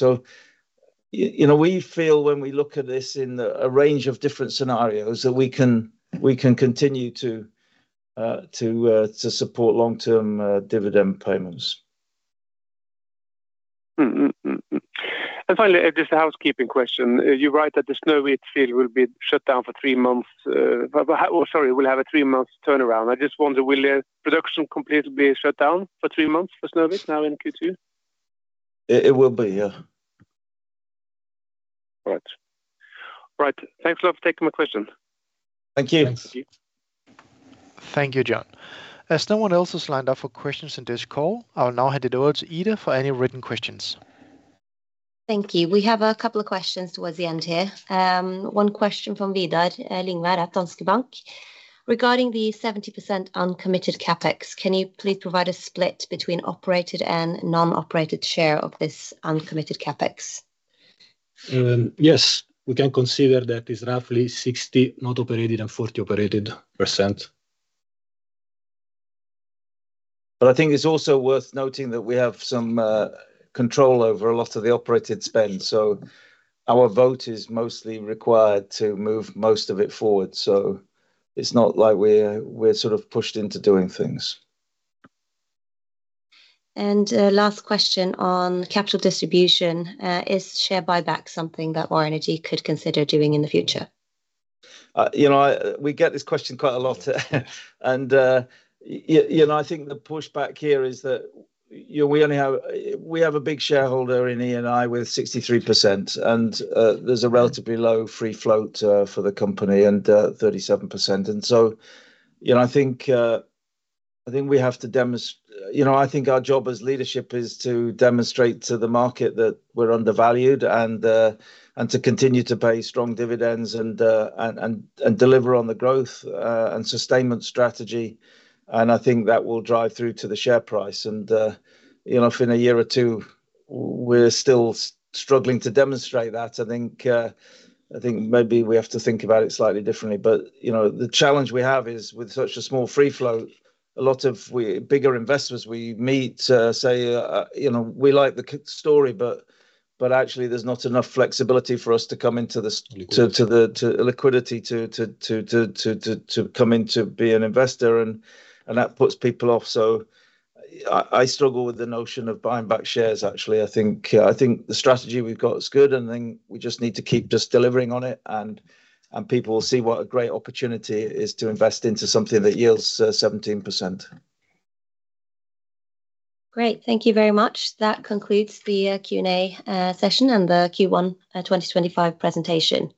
We feel when we look at this in a range of different scenarios that we can, we can continue to support long term dividend payments. Finally, just a housekeeping question. You write that the Snowit field will be shut down for three months. Sorry, it will have a three month turnaround. I just wonder, will the production complete be shut down for three months? For Snowit now in Q2 it will be. Yeah. Right. Thanks a lot for taking my question. Thank you. Thank you, John. As no one else has lined up for questions in this call, I'll now hand it over to Ida for any written questions. Thank you. We have a couple of questions towards the end here. One question from Vidar Lingvær at Danske Bank regarding the 70% uncommitted CapEx. Can you please provide a split between operated and non-operated share of this uncommitted CapEx? Yes, we can consider that it's roughly 60% non-operated and 40% operated. I think it's also worth noting that we have some control over a lot of the operated spend. Our vote is mostly required to move most of it forward. It's not like we're sort of pushed into doing things. Last question on capital distribution, is share buyback something that Vår Energi could consider doing in the future? You know we get this question quite a lot and you know, I think the pushback here is that, you know, we only have, we have a big shareholder in Eni with 63% and there's a relatively low free float for the company and 37%. You know, I think we have to demonstrate, you know, I think our job as leadership is to demonstrate to the market that we're undervalued and to continue to pay strong dividends and deliver on the growth and sustainment strategy. I think that will drive through to the share price and you know, in a year or two we're still struggling to demonstrate that. I think, I think maybe we have to think about it slightly differently. The challenge we have is with such a small free float. A lot of bigger investors we meet say we like the story, but actually there's not enough flexibility for us to come into liquidity, to come in to be an investor, and that puts people off. I struggle with the notion of buying back shares, actually. I think the strategy we've got is good, and then we just need to keep just delivering on it, and people will see what a great opportunity is to invest into something that yields 17%. Great. Thank you very much. That concludes the Q and A session and the Q1 2025 presentation.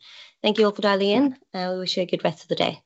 Thank you all for dialing in. We wish you a good rest of the day.